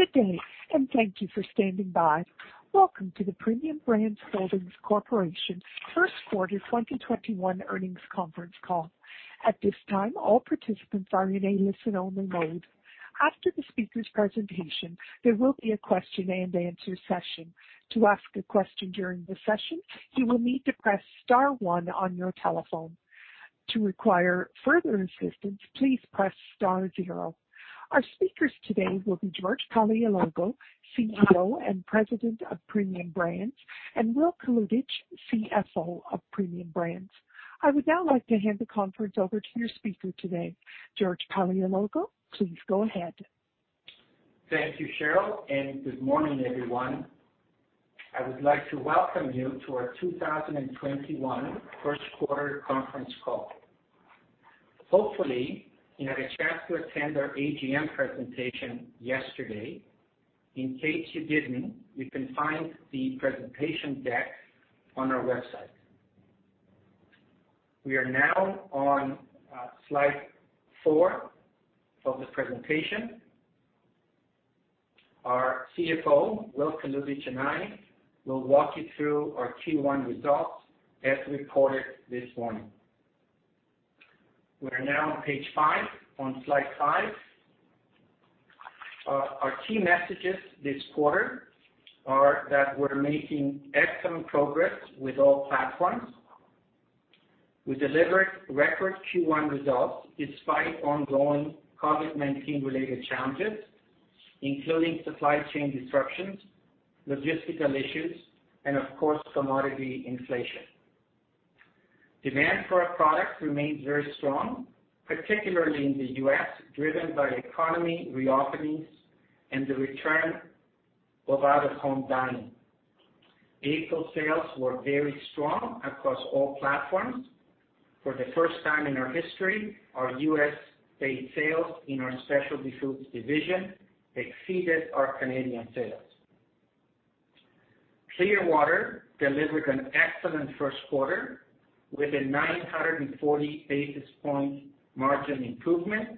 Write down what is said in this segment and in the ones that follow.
Good day, and thank you for standing by. Welcome to the Premium Brands Holdings Corporation first quarter 2021 earnings conference call. At this time, all participants are in a listen-only mode. After the speaker's presentation, there will be a question and answer session. To ask a question during the session, you will need to press star one on your telephone. To require further assistance, please press star zero. Our speakers today will be George Paleologou, CEO and President of Premium Brands, and Will Kalutycz, CFO of Premium Brands. I would now like to hand the conference over to your speaker today, George Paleologou. Please go ahead. Thank you, Cheryl. Good morning, everyone. I would like to welcome you to our 2021 first quarter conference call. Hopefully, you had a chance to attend our AGM presentation yesterday. In case you didn't, you can find the presentation deck on our website. We are now on slide four of the presentation. Our CFO, Will Kalutycz, and I will walk you through our Q1 results as reported this morning. We are now on page five, on slide five. Our key messages this quarter are that we're making excellent progress with all platforms. We delivered record Q1 results despite ongoing COVID-19 related challenges, including supply chain disruptions, logistical issues, and of course, commodity inflation. Demand for our products remains very strong, particularly in the U.S., driven by economy reopenings and the return of out-of-home dining. Vehicle sales were very strong across all platforms. For the first time in our history, our U.S.-based sales in our specialty foods division exceeded our Canadian sales. Clearwater delivered an excellent first quarter with a 940 basis point margin improvement,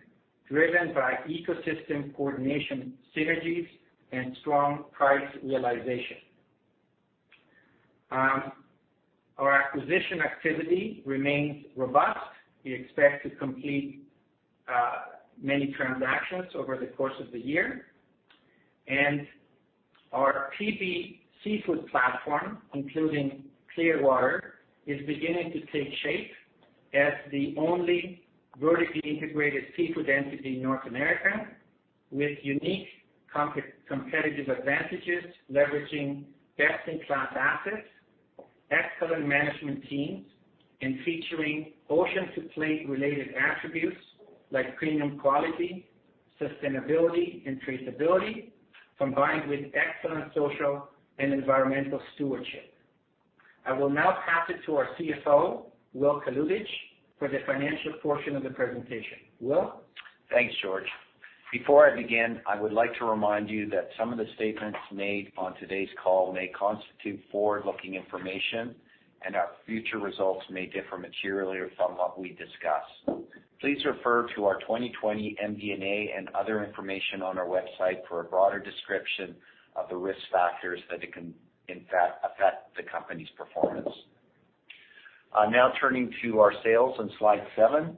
driven by ecosystem coordination synergies and strong price realization. Our acquisition activity remains robust. We expect to complete many transactions over the course of the year. Our PB seafood platform, including Clearwater, is beginning to take shape as the only vertically integrated seafood entity in North America with unique competitive advantages leveraging best-in-class assets, excellent management teams, and featuring Ocean to Plate related attributes like premium quality, sustainability, and traceability, combined with excellent social and environmental stewardship. I will now pass it to our CFO, Will Kalutycz, for the financial portion of the presentation. Will? Thanks, George. Before I begin, I would like to remind you that some of the statements made on today's call may constitute forward-looking information and our future results may differ materially from what we discuss. Please refer to our 2020 MD&A and other information on our website for a broader description of the risk factors that can in fact affect the company's performance. Turning to our sales on slide seven.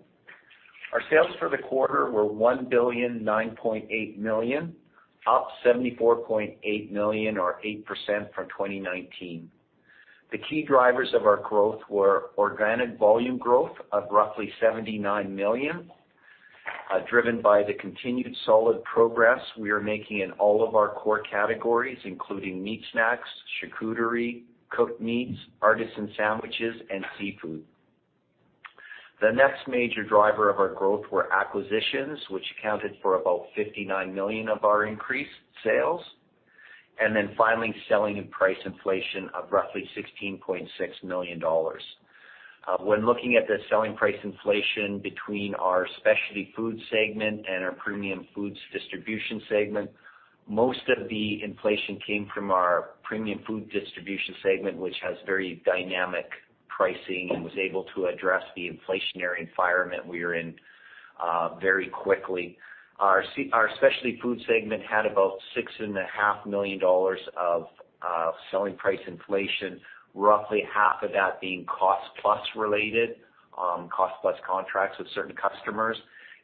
Our sales for the quarter were 1.098 billion, up 74.8 million or 8% from 2019. The key drivers of our growth were organic volume growth of roughly 79 million, driven by the continued solid progress we are making in all of our core categories, including meat snacks, charcuterie, cooked meats, artisan sandwiches, and seafood. The next major driver of our growth were acquisitions, which accounted for about 59 million of our increased sales, finally, selling and price inflation of roughly 16.6 million dollars. When looking at the selling price inflation between our Specialty Food segment and our Premium Foods Distribution segment, most of the inflation came from our Premium Food Distribution segment, which has very dynamic pricing and was able to address the inflationary environment we are in very quickly. Our Specialty Food segment had about 6.5 million dollars of selling price inflation, roughly half of that being cost plus related, cost plus contracts with certain customers,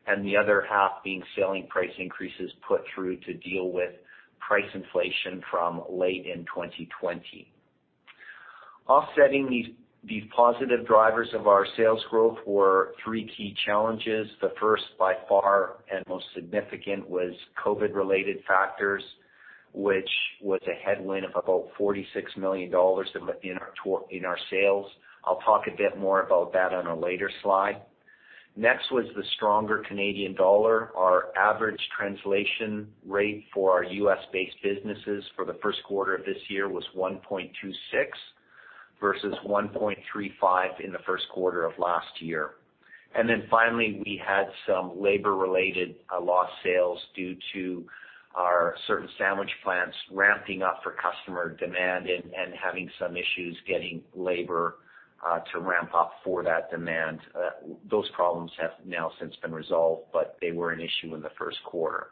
and the other half being selling price increases put through to deal with price inflation from late in 2020. Offsetting these positive drivers of our sales growth were three key challenges. The first, by far, and most significant was COVID-related factors, which was a headwind of about 46 million dollars in our sales. I'll talk a bit more about that on a later slide. The stronger Canadian dollar. Our average translation rate for our U.S.-based businesses for the first quarter of this year was 1.26 million versus 1.35 million in the first quarter of last year. Finally, we had some labor-related lost sales due to our certain sandwich plants ramping up for customer demand and having some issues getting labor to ramp up for that demand. Those problems have now since been resolved, they were an issue in the first quarter.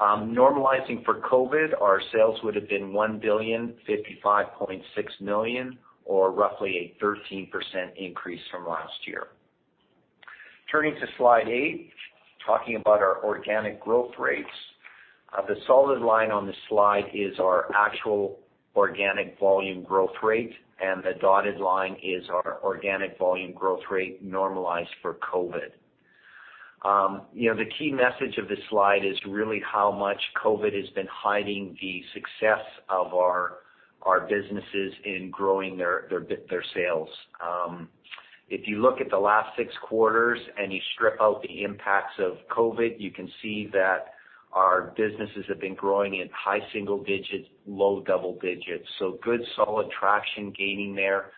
Normalizing for COVID, our sales would have been 1,055.6 million, or roughly a 13% increase from last year. Turning to slide eight, talking about our organic growth rates. The solid line on the slide is our actual organic volume growth rate, and the dotted line is our organic volume growth rate normalized for COVID. The key message of this slide is really how much COVID has been hiding the success of our businesses in growing their sales. If you look at the last six quarters and you strip out the impacts of COVID, you can see that our businesses have been growing at high single digits, low double digits. So good, solid traction gaining there,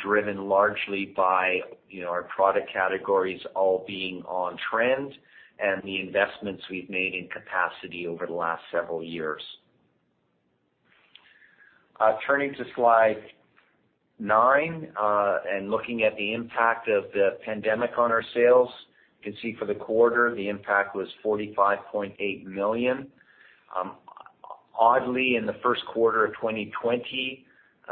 driven largely by our product categories all being on trend and the investments we've made in capacity over the last several years. Turning to slide nine, and looking at the impact of the pandemic on our sales. You can see for the quarter, the impact was 45.8 million. Oddly, in the first quarter of 2020,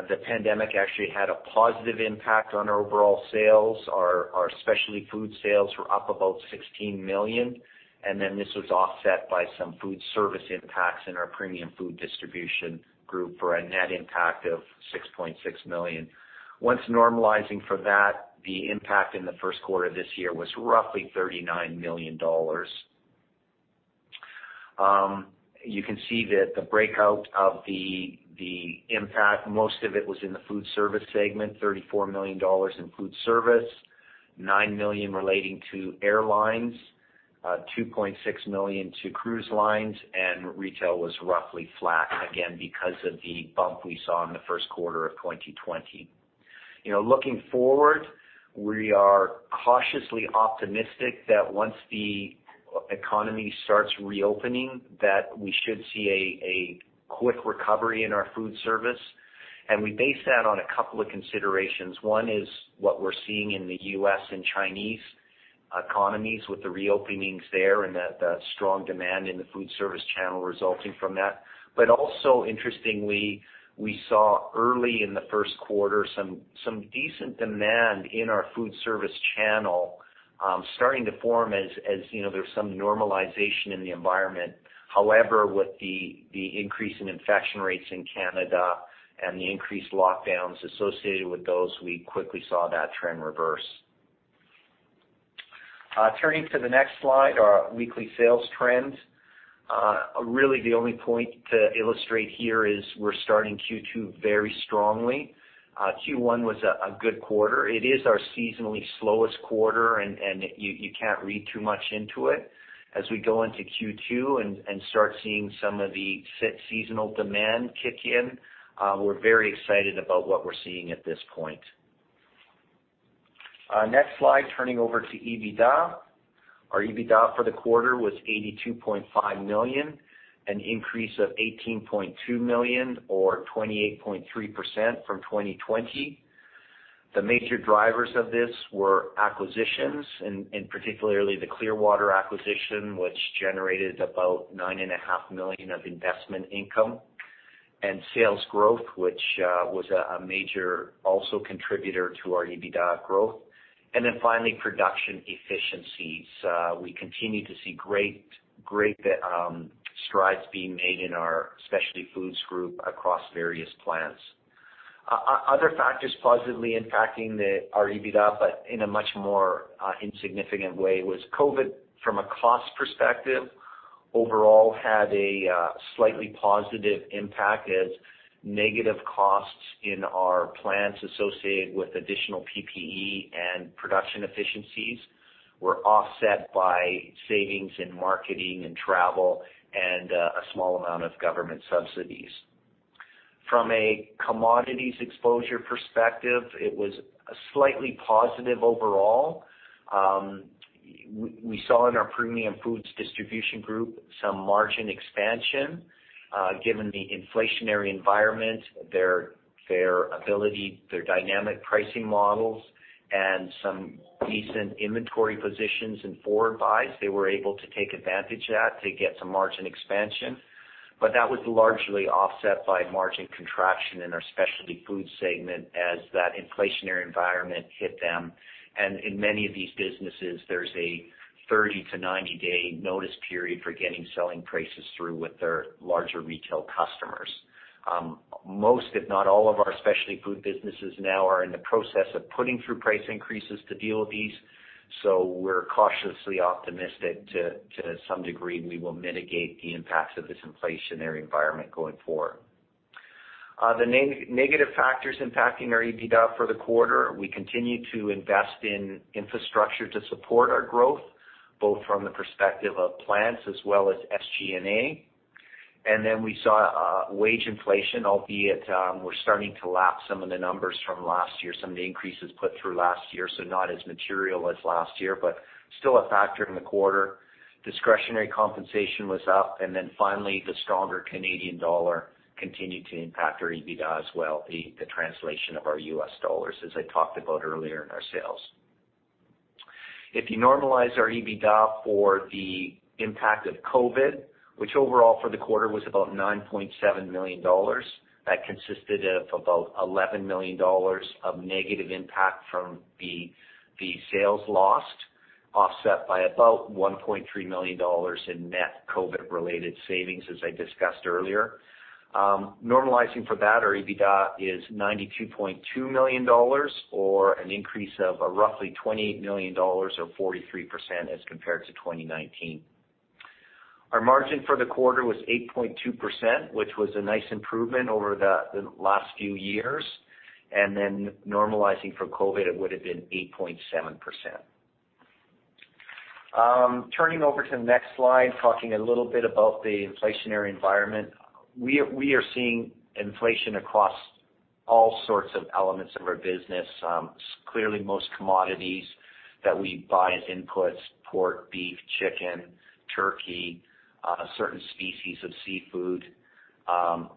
the pandemic actually had a positive impact on our overall sales. Our specialty food sales were up about 16 million, and then this was offset by some food service impacts in our premium food distribution group for a net impact of 6.6 million. Once normalizing for that, the impact in the first quarter of this year was roughly 39 million dollars. You can see that the breakout of the impact, most of it was in the food service segment, 34 million dollars in food service, 9 million relating to airlines, 2.6 million to cruise lines, and retail was roughly flat, again, because of the bump we saw in the first quarter of 2020. Looking forward, we are cautiously optimistic that once the economy starts reopening, that we should see a quick recovery in our food service, and we base that on a couple of considerations. One is what we're seeing in the U.S. and Chinese economies with the reopenings there and the strong demand in the food service channel resulting from that. Also interestingly, we saw early in the first quarter some decent demand in our food service channel starting to form as there's some normalization in the environment. However, with the increase in infection rates in Canada and the increased lockdowns associated with those, we quickly saw that trend reverse. Turning to the next slide, our weekly sales trends. Really the only point to illustrate here is we're starting Q2 very strongly. Q1 was a good quarter. It is our seasonally slowest quarter, and you can't read too much into it. As we go into Q2 and start seeing some of the seasonal demand kick in, we're very excited about what we're seeing at this point. Next slide, turning over to EBITDA. Our EBITDA for the quarter was 82.5 million, an increase of 18.2 million or 28.3% from 2020. The major drivers of this were acquisitions, and particularly the Clearwater acquisition, which generated about nine and a half million of investment income, and sales growth, which was a major also contributor to our EBITDA growth. Finally, production efficiencies. We continue to see great strides being made in our specialty foods group across various plants. Other factors positively impacting our EBITDA, but in a much more insignificant way, was COVID from a cost perspective overall had a slightly positive impact as negative costs in our plants associated with additional PPE and production efficiencies were offset by savings in marketing and travel and a small amount of government subsidies. From a commodities exposure perspective, it was slightly positive overall. We saw in our premium foods distribution group some margin expansion. Given the inflationary environment, their ability, their dynamic pricing models, and some decent inventory positions in forward buys, they were able to take advantage of that to get some margin expansion. That was largely offset by margin contraction in our specialty food segment as that inflationary environment hit them. In many of these businesses, there's a 30-90-day notice period for getting selling prices through with their larger retail customers. Most, if not all of our specialty food businesses now are in the process of putting through price increases to deal with these. We're cautiously optimistic to some degree we will mitigate the impacts of this inflationary environment going forward. The negative factors impacting our EBITDA for the quarter, we continue to invest in infrastructure to support our growth, both from the perspective of plants as well as SG&A. Then we saw wage inflation, albeit we're starting to lap some of the numbers from last year, some of the increases put through last year, so not as material as last year, but still a factor in the quarter. Discretionary compensation was up. Then finally, the stronger Canadian dollar continued to impact our EBITDA as well, the translation of our U.S. dollars, as I talked about earlier in our sales. If you normalize our EBITDA for the impact of COVID, which overall for the quarter was about 9.7 million dollars, that consisted of about 11 million dollars of negative impact from the sales lost, offset by about 1.3 million dollars in net COVID-related savings, as I discussed earlier. Normalizing for that, our EBITDA is 92.2 million dollars, or an increase of roughly 28 million dollars or 43% as compared to 2019. Our margin for the quarter was 8.2%, which was a nice improvement over the last few years. Normalizing for COVID-19, it would have been 8.7%. Turning over to the next slide, talking a little bit about the inflationary environment. We are seeing inflation across all sorts of elements of our business. Clearly, most commodities that we buy as inputs, pork, beef, chicken, turkey, certain species of seafood, and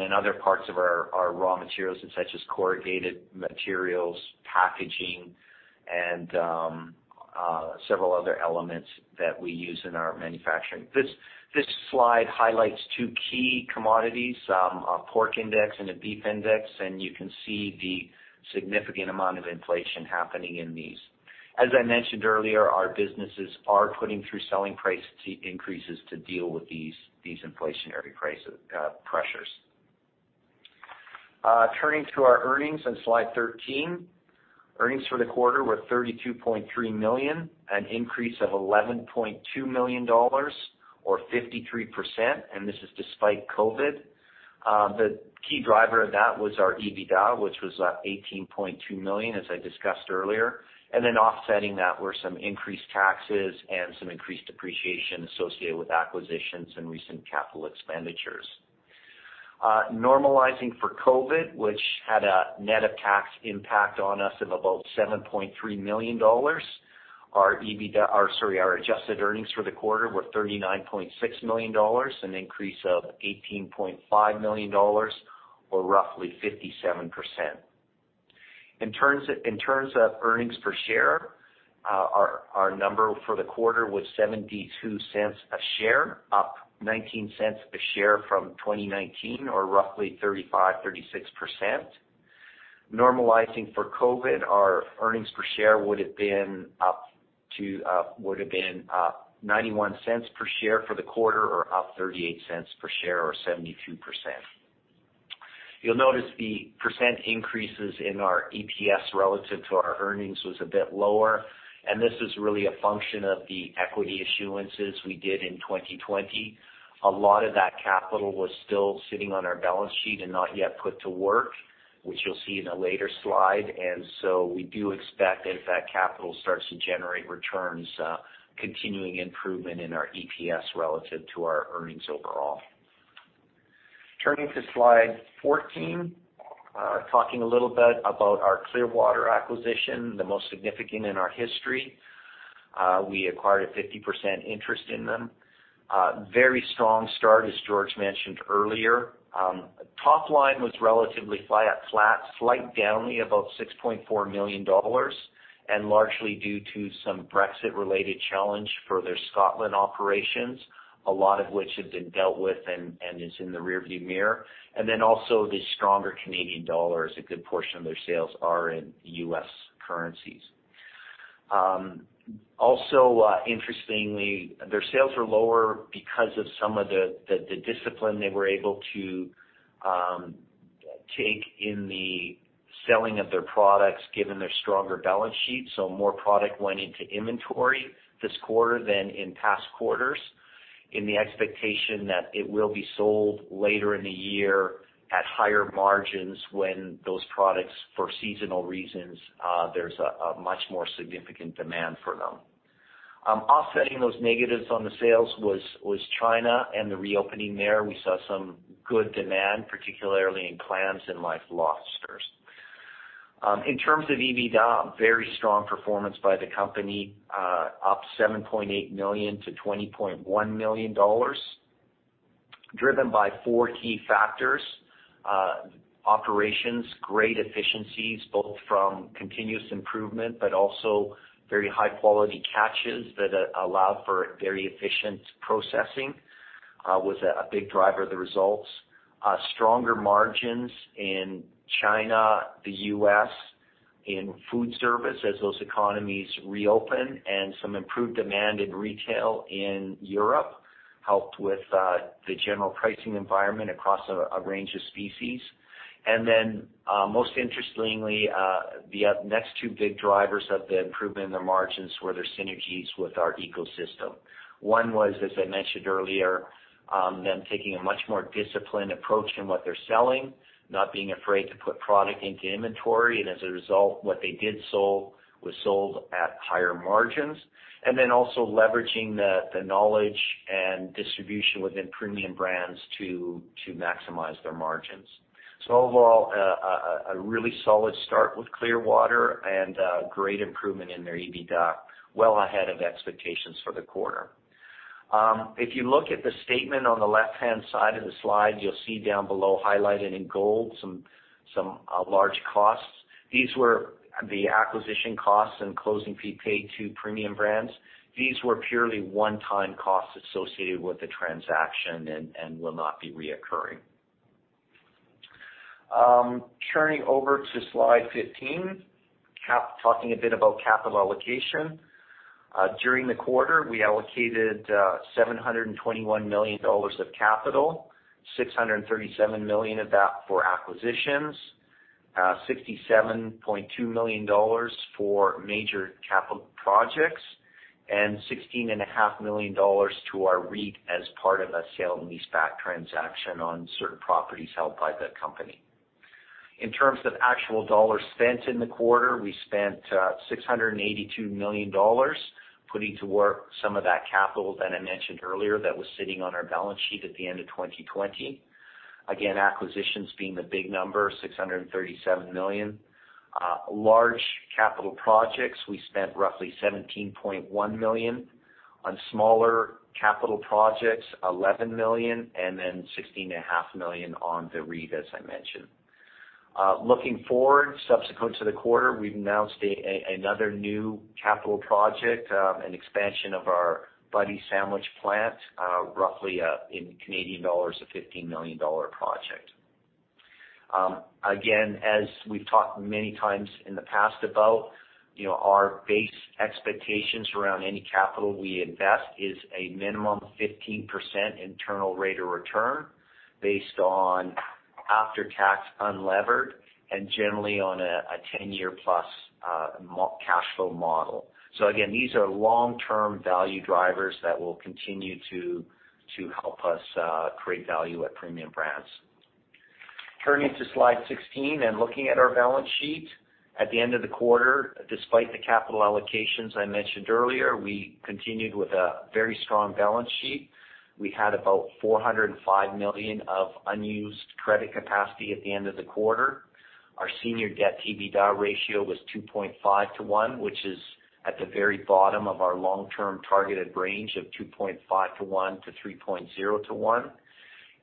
then other parts of our raw materials such as corrugated materials, packaging, and several other elements that we use in our manufacturing. This slide highlights two key commodities, a pork index and a beef index, and you can see the significant amount of inflation happening in these. As I mentioned earlier, our businesses are putting through selling price increases to deal with these inflationary pressures. Turning to our earnings on slide 13. Earnings for the quarter were 32.3 million, an increase of 11.2 million dollars, or 53%. This is despite COVID. The key driver of that was our EBITDA, which was 18.2 million, as I discussed earlier. Offsetting that were some increased taxes and some increased depreciation associated with acquisitions and recent capital expenditures. Normalizing for COVID, which had a net of tax impact on us of about 7.3 million dollars, our adjusted earnings for the quarter were 39.6 million dollars, an increase of 18.5 million dollars or roughly 57%. In terms of earnings per share, our number for the quarter was 0.72 a share, up 0.19 a share from 2019 or roughly 35%, 36%. Normalizing for COVID, our earnings per share would have been up to 0.91 per share for the quarter or up 0.38 per share or 72%. You'll notice the percent increases in our EPS relative to our earnings was a bit lower, and this is really a function of the equity issuances we did in 2020. A lot of that capital was still sitting on our balance sheet and not yet put to work, which you'll see in a later slide. We do expect as that capital starts to generate returns, continuing improvement in our EPS relative to our earnings overall. Turning to slide 14, talking a little bit about our Clearwater acquisition, the most significant in our history. We acquired a 50% interest in them. Very strong start, as George mentioned earlier. Top line was relatively flat, slight down only about 6.4 million dollars, and largely due to some Brexit-related challenge for their Scotland operations, a lot of which have been dealt with and is in the rearview mirror. The stronger Canadian dollar, as a good portion of their sales are in U.S. currencies. Interestingly, their sales are lower because of some of the discipline they were able to take in the selling of their products, given their stronger balance sheet. More product went into inventory this quarter than in past quarters in the expectation that it will be sold later in the year at higher margins when those products, for seasonal reasons, there's a much more significant demand for them. Offsetting those negatives on the sales was China and the reopening there. We saw some good demand, particularly in clams and live lobsters. In terms of EBITDA, very strong performance by the company, up 7.8 million to 20.1 million dollars, driven by four key factors. Operations, great efficiencies, both from continuous improvement, but also very high-quality catches that allowed for very efficient processing, was a big driver of the results. Stronger margins in China, the U.S., in food service as those economies reopen, and some improved demand in retail in Europe helped with the general pricing environment across a range of species. Most interestingly, the next two big drivers of the improvement in their margins were their synergies with our ecosystem. One was, as I mentioned earlier, them taking a much more disciplined approach in what they're selling, not being afraid to put product into inventory, and as a result, what they did sell was sold at higher margins. Also leveraging the knowledge and distribution within Premium Brands to maximize their margins. Overall, a really solid start with Clearwater and great improvement in their EBITDA, well ahead of expectations for the quarter. If you look at the statement on the left-hand side of the slide, you'll see down below highlighted in gold some large costs. These were the acquisition costs and closing fee paid to Premium Brands. These were purely one-time costs associated with the transaction and will not be reoccurring. Turning over to slide 15, talking a bit about capital allocation. During the quarter, we allocated 721 million dollars of capital, 637 million of that for acquisitions, 67.2 million dollars for major capital projects, and 16.5 million dollars to our REIT as part of a sale and leaseback transaction on certain properties held by the company. In terms of actual CAD spent in the quarter, we spent 682 million dollars putting to work some of that capital that I mentioned earlier that was sitting on our balance sheet at the end of 2020. Acquisitions being the big number, 637 million. Large capital projects, we spent roughly 17.1 million. On smaller capital projects, 11 million, then 16.5 million on the REIT, as I mentioned. Looking forward subsequent to the quarter, we've announced another new capital project, an expansion of our Buddy's Sandwich plant, roughly in Canadian dollars, a 15 million dollar project. As we've talked many times in the past about our base expectations around any capital we invest is a minimum 15% internal rate of return based on after-tax unlevered and generally on a 10-year+ cash flow model. Again, these are long-term value drivers that will continue to help us create value at Premium Brands. Turning to slide 16 and looking at our balance sheet. At the end of the quarter, despite the capital allocations I mentioned earlier, we continued with a very strong balance sheet. We had about 405 million of unused credit capacity at the end of the quarter. Our senior debt EBITDA ratio was 2.5:1, which is at the very bottom of our long-term targeted range of 2.5:1 to 3.0:1,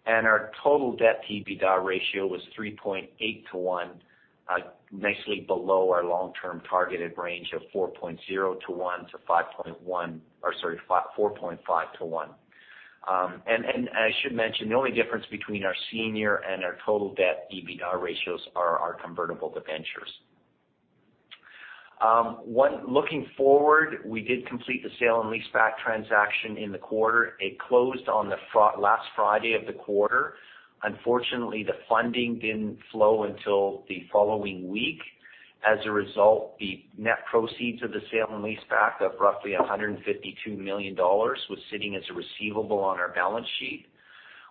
and our total debt to EBITDA ratio was 3.8:1, nicely below our long-term targeted range of 4.0:1 to 4.5:1. I should mention, the only difference between our senior and our total debt to EBITDA ratios are our convertible debentures. Looking forward, we did complete the sale and leaseback transaction in the quarter. It closed on the last Friday of the quarter. Unfortunately, the funding didn't flow until the following week. The net proceeds of the sale and leaseback of roughly 152 million dollars was sitting as a receivable on our balance sheet.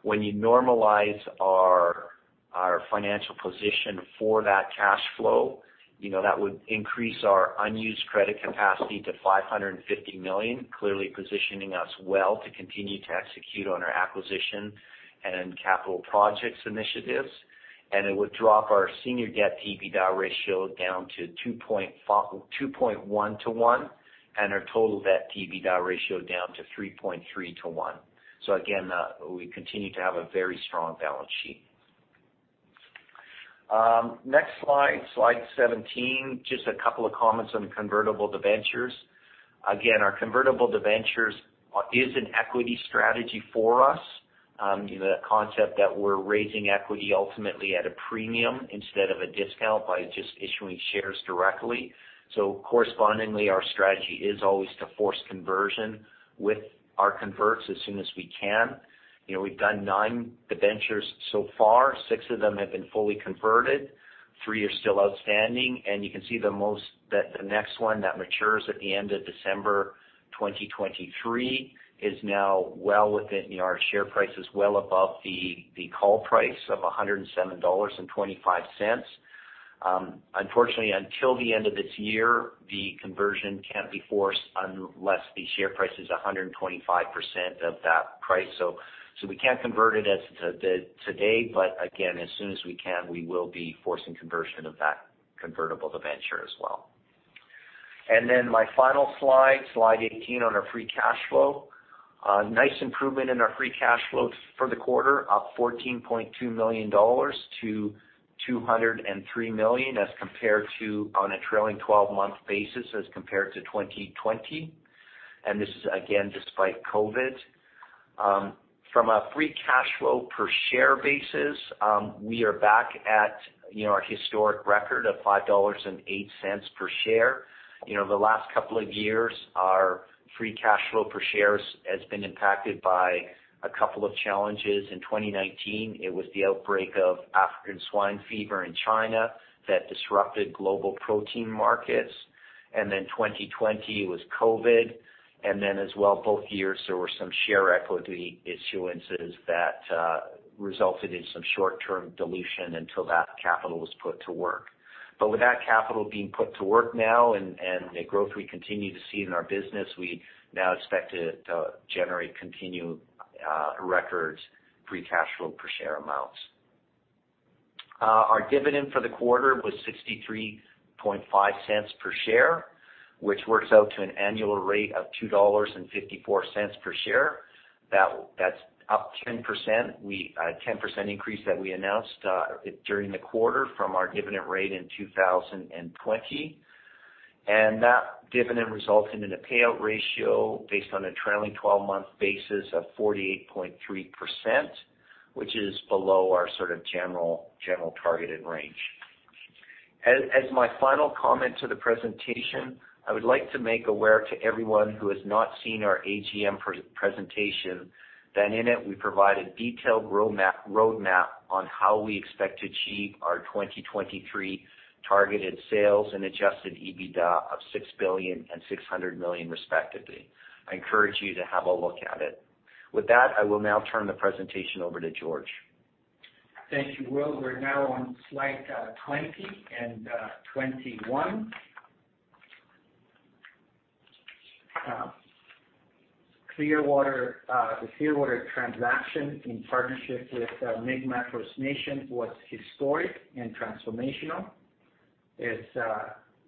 When you normalize our financial position for that cash flow, that would increase our unused credit capacity to 550 million, clearly positioning us well to continue to execute on our acquisition and capital projects initiatives. It would drop our senior debt to EBITDA ratio down to 2.1:1, and our total debt to EBITDA ratio down to 3.3:1. Again, we continue to have a very strong balance sheet. Next slide 17, just a couple of comments on convertible debentures. Again, our convertible debentures is an equity strategy for us. The concept that we're raising equity ultimately at a premium instead of a discount by just issuing shares directly. Correspondingly, our strategy is always to force conversion with our converts as soon as we can. We've done nine debentures so far. Six of them have been fully converted, three are still outstanding, and you can see the next one that matures at the end of December 2023 is now our share price is well above the call price of 107.25 dollars. Unfortunately, until the end of this year, the conversion can't be forced unless the share price is 125% of that price. We can't convert it as of today, but again, as soon as we can, we will be forcing conversion of that convertible debenture as well. My final slide 18 on our free cash flow. Nice improvement in our free cash flow for the quarter, up 14.2 million dollars to 203 million on a trailing 12-month basis as compared to 2020. This is again, despite COVID. From a free cash flow per share basis, we are back at our historic record of 5.08 dollars per share. The last couple of years, our free cash flow per share has been impacted by a couple of challenges. In 2019, it was the outbreak of African swine fever in China that disrupted global protein markets, 2020 was COVID, as well, both years, there were some share equity issuances that resulted in some short-term dilution until that capital was put to work. With that capital being put to work now and the growth we continue to see in our business, we now expect to generate continued record free cash flow per share amounts. Our dividend for the quarter was 0.635 per share, which works out to an annual rate of 2.54 dollars per share. That's up 10%. A 10% increase that we announced during the quarter from our dividend rate in 2020. That dividend resulted in a payout ratio based on a trailing 12-month basis of 48.3%, which is below our sort of general targeted range. As my final comment to the presentation, I would like to make aware to everyone who has not seen our AGM presentation, that in it, we provide a detailed roadmap on how we expect to achieve our 2023 targeted sales and adjusted EBITDA of 6 billion and 600 million respectively. I encourage you to have a look at it. With that, I will now turn the presentation over to George. Thank you, Will. We're now on slide 20 and 21. The Clearwater transaction in partnership with Mi'kmaq First Nations was historic and transformational. As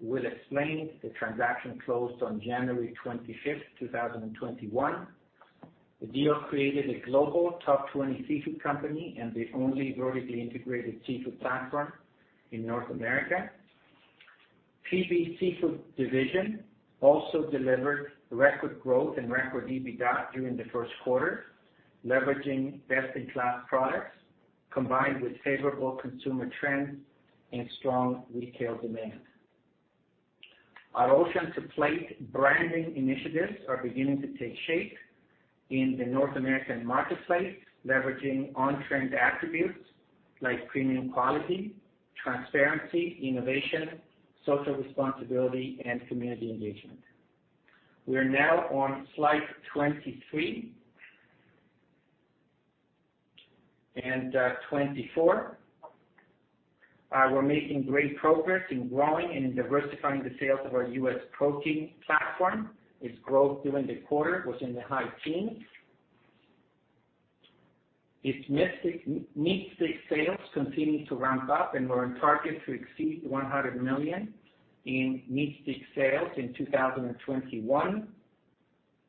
Will explained, the transaction closed on January 25th, 2021. The deal created a global top 20 seafood company and the only vertically integrated seafood platform in North America. PB seafood division also delivered record growth and record EBITDA during the first quarter, leveraging best-in-class products combined with favorable consumer trends and strong retail demand. Our Ocean to Plate branding initiatives are beginning to take shape in the North American marketplace, leveraging on-trend attributes like premium quality, transparency, innovation, social responsibility, and community engagement. We are now on slide 23 and 24. We're making great progress in growing and diversifying the sales of our U.S. protein platform. Its growth during the quarter was in the high teens. Its meat stick sales continue to ramp up. We're on target to exceed 100 million in meat stick sales in 2021.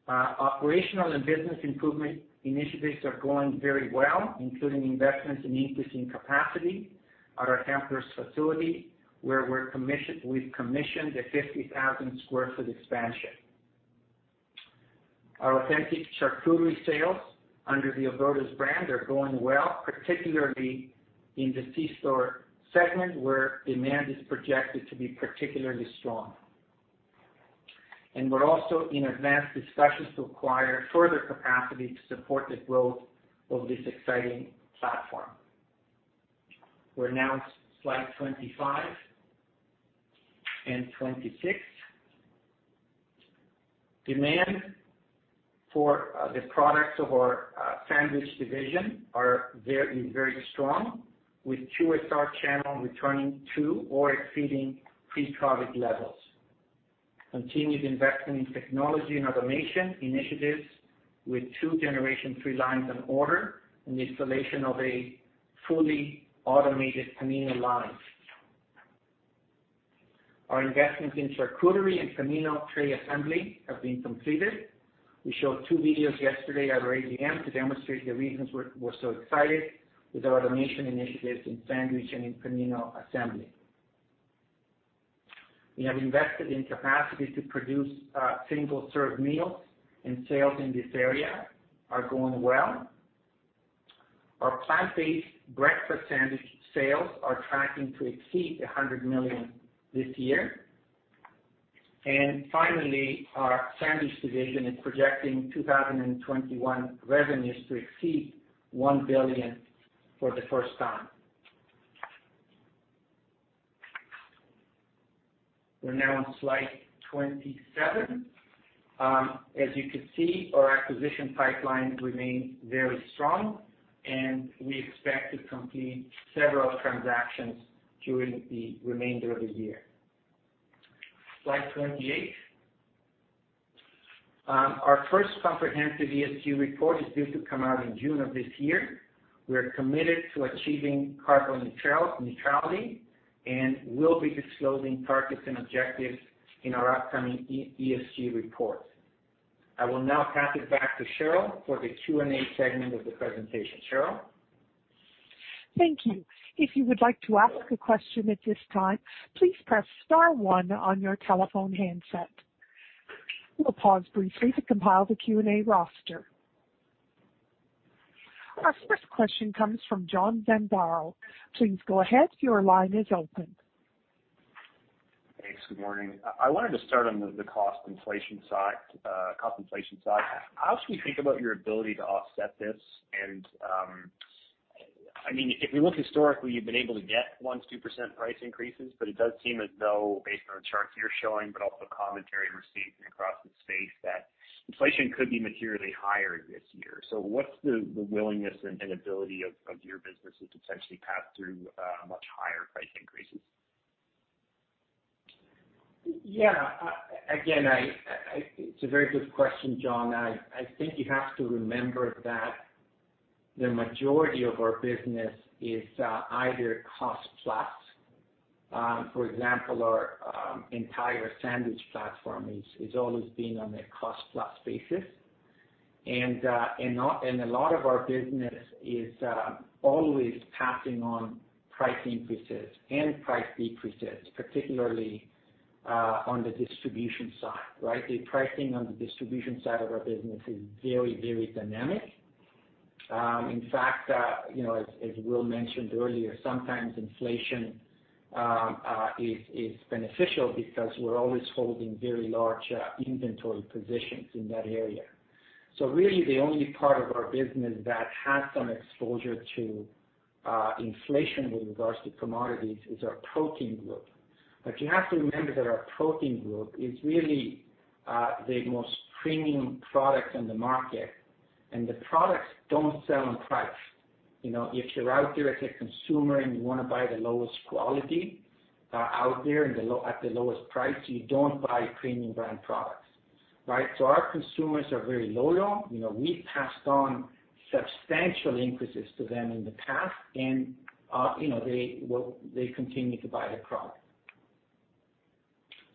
Operational and business improvement initiatives are going very well, including investments in increasing capacity at our Hempler's facility, where we've commissioned a 50,000 sq ft expansion. Our authentic charcuterie sales under the Oberto's brand are going well, particularly in the C-store segment, where demand is projected to be particularly strong. We're also in advanced discussions to acquire further capacity to support the growth of this exciting platform. We're now at slide 25 and 26. Demand for the products of our sandwich division is very strong, with QSR channel returning to or exceeding pre-COVID levels. Continued investment in technology and automation initiatives with two Generation 3 lines on order and the installation of a fully automated Camino line. Our investments in charcuterie and Camino tray assembly have been completed. We showed two videos yesterday at our AGM to demonstrate the reasons we're so excited with our automation initiatives in sandwich and in Camino assembly. We have invested in capacity to produce single-serve meals, and sales in this area are going well. Our plant-based breakfast sandwich sales are tracking to exceed 100 million this year. Finally, our sandwich division is projecting 2021 revenues to exceed 1 billion for the first time. We're now on slide 27. As you can see, our acquisition pipeline remains very strong, and we expect to complete several transactions during the remainder of the year. Slide 28. Our first comprehensive ESG report is due to come out in June of this year. We are committed to achieving carbon neutrality and will be disclosing targets and objectives in our upcoming ESG report. I will now pass it back to Cheryl for the Q&A segment of the presentation. Cheryl? Thank you. If you would like to ask a question at this time, please press star one on your telephone handset. We'll pause briefly to compile the Q&A roster. Our first question comes from John Zamparo. Please go ahead, your line is open. Thanks. Good morning. I wanted to start on the cost inflation side. How should we think about your ability to offset this? If we look historically, you've been able to get 1%, 2% price increases, but it does seem as though based on the charts you're showing, but also commentary we're seeing from across the space, that inflation could be materially higher this year. What's the willingness and ability of your businesses to potentially pass through much higher price increases? Yeah. Again, it's a very good question, John. I think you have to remember that the majority of our business is either cost plus. For example, our entire sandwich platform is always being on a cost-plus basis. A lot of our business is always passing on price increases and price decreases, particularly on the distribution side, right. The pricing on the distribution side of our business is very dynamic. In fact, as Will mentioned earlier, sometimes inflation is beneficial because we're always holding very large inventory positions in that area. Really the only part of our business that has some exposure to inflation with regards to commodities is our protein group. You have to remember that our protein group is really the most premium product in the market, and the products don't sell on price. If you're out there as a consumer and you want to buy the lowest quality out there at the lowest price, you don't buy Premium Brands products, right? So our consumers are very loyal. We passed on substantial increases to them in the past, and they continue to buy the product.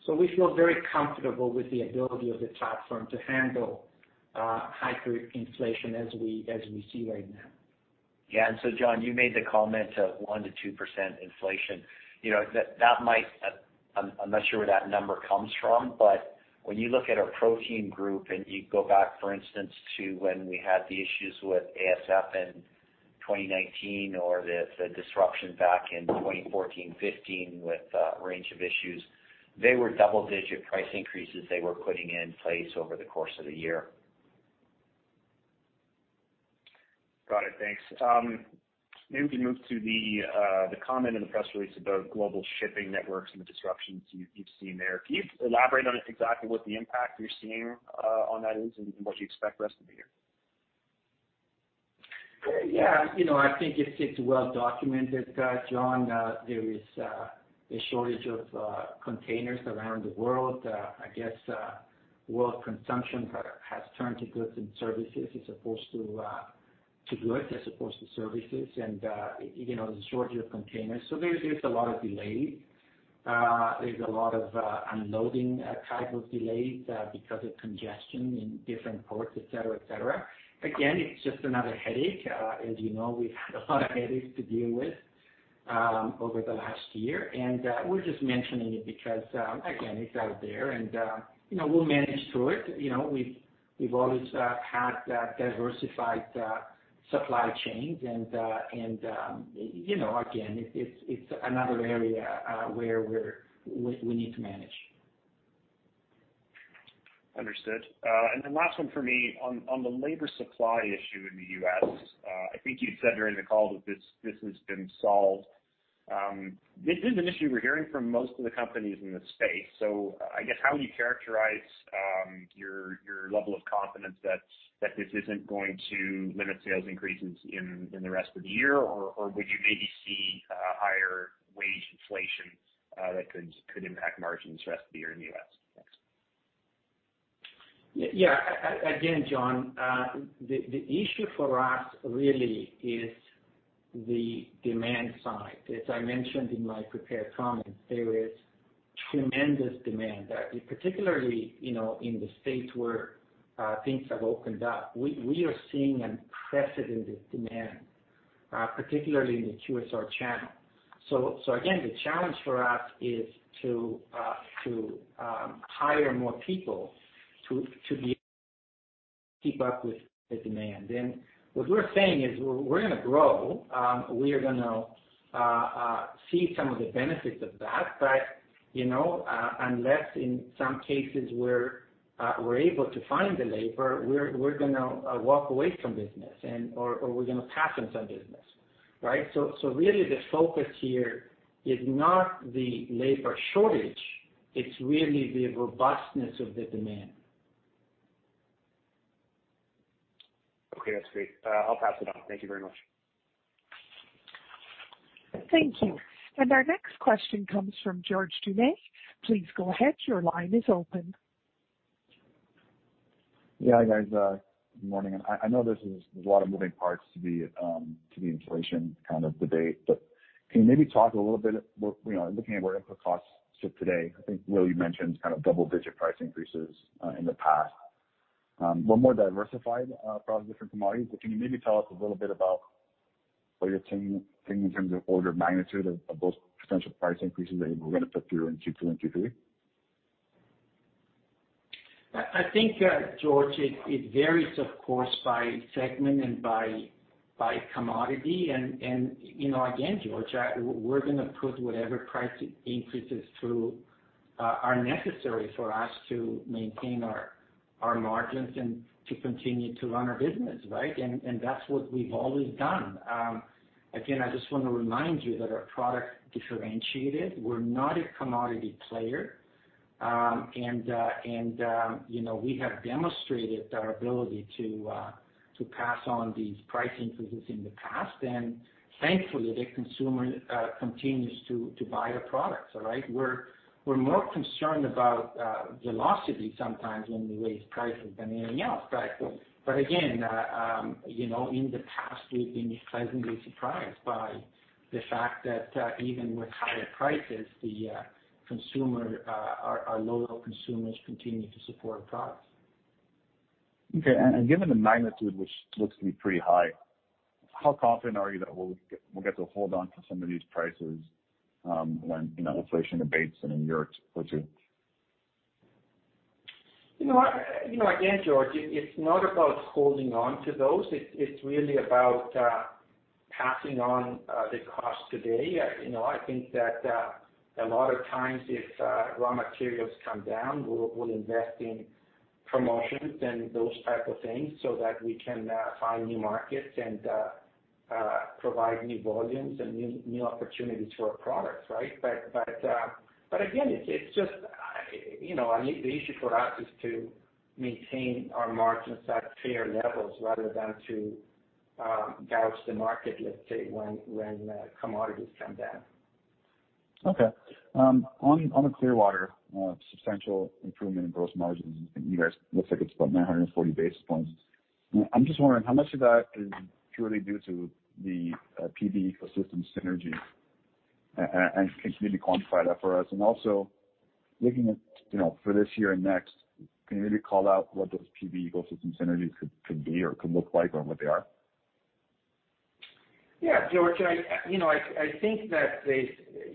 So we feel very comfortable with the ability of the platform to handle hyperinflation as we see right now. Yeah. John, you made the comment of 1%-2% inflation. I am not sure where that number comes from, when you look at our protein group and you go back, for instance, to when we had the issues with ASF in 2019 or the disruption back in 2014, 2015, with a range of issues, they were double-digit price increases they were putting in place over the course of the year. Got it. Thanks. Maybe we can move to the comment in the press release about global shipping networks and the disruptions you've seen there. Can you elaborate on exactly what the impact you're seeing on that is and what you expect for the rest of the year? I think it's well documented, John. There is a shortage of containers around the world. I guess world consumption has turned to goods as opposed to services and the shortage of containers. There's a lot of delay. There's a lot of unloading type of delays because of congestion in different ports, et cetera. It's just another headache. As you know, we've had a lot of headaches to deal with over the last year, and we're just mentioning it because, again, it's out there and we'll manage through it. We've always had diversified supply chains and again, it's another area where we need to manage. Understood. The last one for me, on the labor supply issue in the U.S., I think you said during the call that this has been solved. This is an issue we're hearing from most of the companies in the space. I guess how would you characterize your level of confidence that this isn't going to limit sales increases in the rest of the year? Would you maybe see higher wage inflation that could impact margins the rest of the year in the U.S.? Thanks. Yeah. Again, John, the issue for us really is the demand side. As I mentioned in my prepared comments, there is tremendous demand there. Particularly, in the states where things have opened up, we are seeing unprecedented demand, particularly in the QSR channel. Again, the challenge for us is to hire more people to be able to keep up with the demand. What we're saying is we're going to grow, we are going to see some of the benefits of that. Unless in some cases where we're able to find the labor, we're going to walk away from business or we're going to pass on some business, right? Really the focus here is not the labor shortage, it's really the robustness of the demand. Okay. That's great. I'll pass it on. Thank you very much. Thank you. Our next question comes from George Doumet. Please go ahead. Your line is open. Yeah, guys. Good morning. I know there's a lot of moving parts to the inflation kind of debate, but can you maybe talk a little bit, looking at where input costs sit today, I think, Will, you mentioned kind of double-digit price increases in the past. We're more diversified across different commodities, but can you maybe tell us a little bit about what you're seeing in terms of order of magnitude of those potential price increases that you were going to put through in Q2 and Q3? I think, George, it varies, of course, by segment and by commodity. Again, George, we're going to put whatever price increases through are necessary for us to maintain our margins and to continue to run our business, right? That's what we've always done. Again, I just want to remind you that our product differentiated. We're not a commodity player. We have demonstrated our ability to pass on these price increases in the past. Thankfully, the consumer continues to buy the products. We're more concerned about velocity sometimes when we raise prices than anything else. Again, in the past, we've been pleasantly surprised by the fact that even with higher prices, our loyal consumers continue to support our products. Okay. Given the magnitude, which looks to be pretty high, how confident are you that we'll get to hold onto some of these prices when inflation abates in year or two? Again, George, it's not about holding on to those. It's really about passing on the cost today. I think that a lot of times if raw materials come down, we'll invest in promotions and those type of things so that we can find new markets and provide new volumes and new opportunities for our products. Again, the issue for us is to maintain our margins at fair levels rather than to gouge the market, let's say, when commodities come down. Okay. On the Clearwater substantial improvement in gross margins, you guys, looks like it's about 940 basis points. I'm just wondering how much of that is purely due to the PB ecosystem synergies, and can you maybe quantify that for us? Also looking at for this year and next, can you maybe call out what those PB ecosystem synergies could be or could look like, or what they are? George, I think that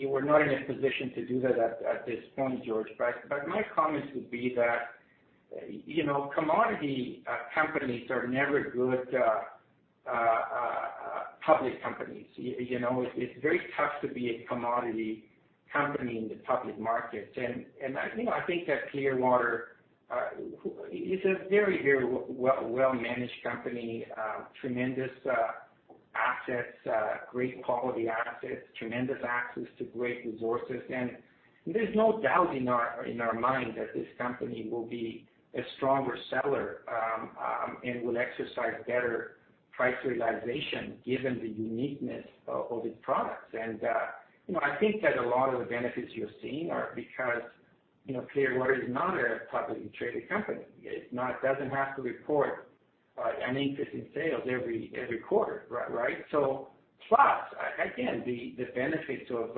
we're not in a position to do that at this point, George. My comment would be that commodity companies are never good public companies. It's very tough to be a commodity company in the public market. I think that Clearwater is a very well-managed company, tremendous assets, great quality assets, tremendous access to great resources. There's no doubt in our mind that this company will be a stronger seller, and will exercise better price realization given the uniqueness of its products. I think that a lot of the benefits you're seeing are because Clearwater is not a publicly traded company. It doesn't have to report an increase in sales every quarter. Plus, again, the benefits of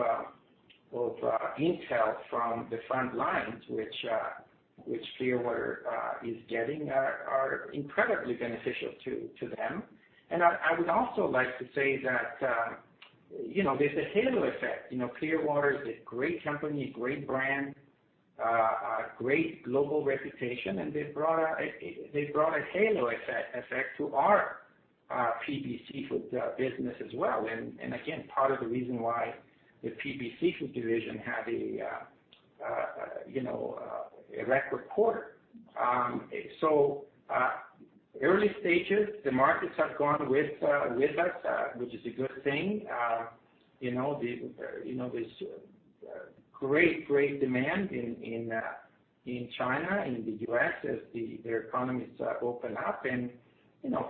intel from the front lines, which Clearwater is getting are incredibly beneficial to them. I would also like to say that there's a halo effect. Clearwater is a great company, great brand, a great global reputation, and they've brought a halo effect to our PB seafood business as well. Again, part of the reason why the PB seafood division had a record quarter. Early stages, the markets have gone with us, which is a good thing. There's great demand in China, in the U.S. as their economies open up.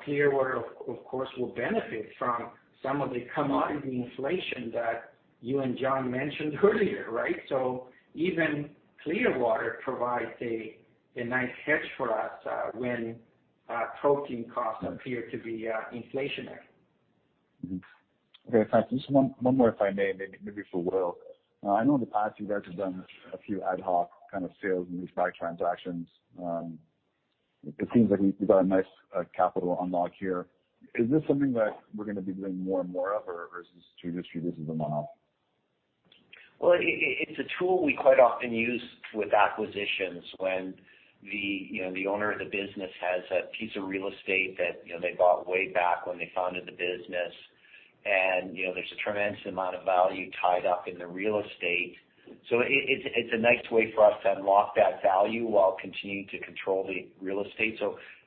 Clearwater, of course, will benefit from some of the commodity inflation that you and John mentioned earlier. Even Clearwater provides a nice hedge for us, when protein costs appear to be inflationary. Okay, thanks. Just one more, if I may, maybe for Will. I know in the past you guys have done a few ad hoc kind of sales and leaseback transactions. It seems like you got a nice capital unlock here. Is this something that we're going to be doing more and more of or is this just a one-off? Well, it's a tool we quite often use with acquisitions when the owner of the business has a piece of real estate that they bought way back when they founded the business. There's a tremendous amount of value tied up in the real estate. It's a nice way for us to unlock that value while continuing to control the real estate.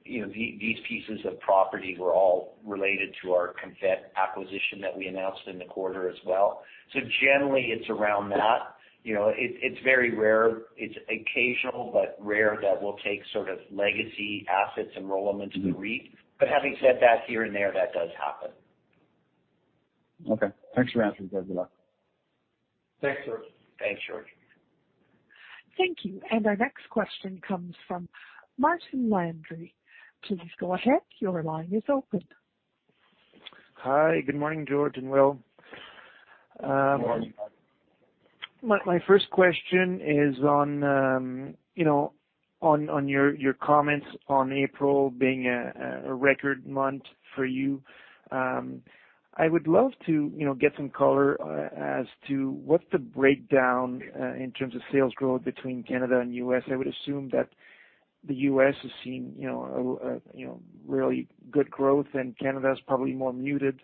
These pieces of property were all related to our Concord acquisition that we announced in the quarter as well. Generally, it's around that. It's very rare. It's occasional, but rare that we'll take sort of legacy assets and roll them into the REIT. Having said that, here and there, that does happen. Okay. Thanks for answering. Good luck. Thanks, George. Thanks, George. Thank you. Our next question comes from Martin Landry. Please go ahead. Your line is open. Hi, good morning, George and Will. Good morning, Martin. My first question is on your comments on April being a record month for you. I would love to get some color as to what the breakdown in terms of sales growth between Canada and U.S. I would assume that the U.S. has seen really good growth and Canada is probably more muted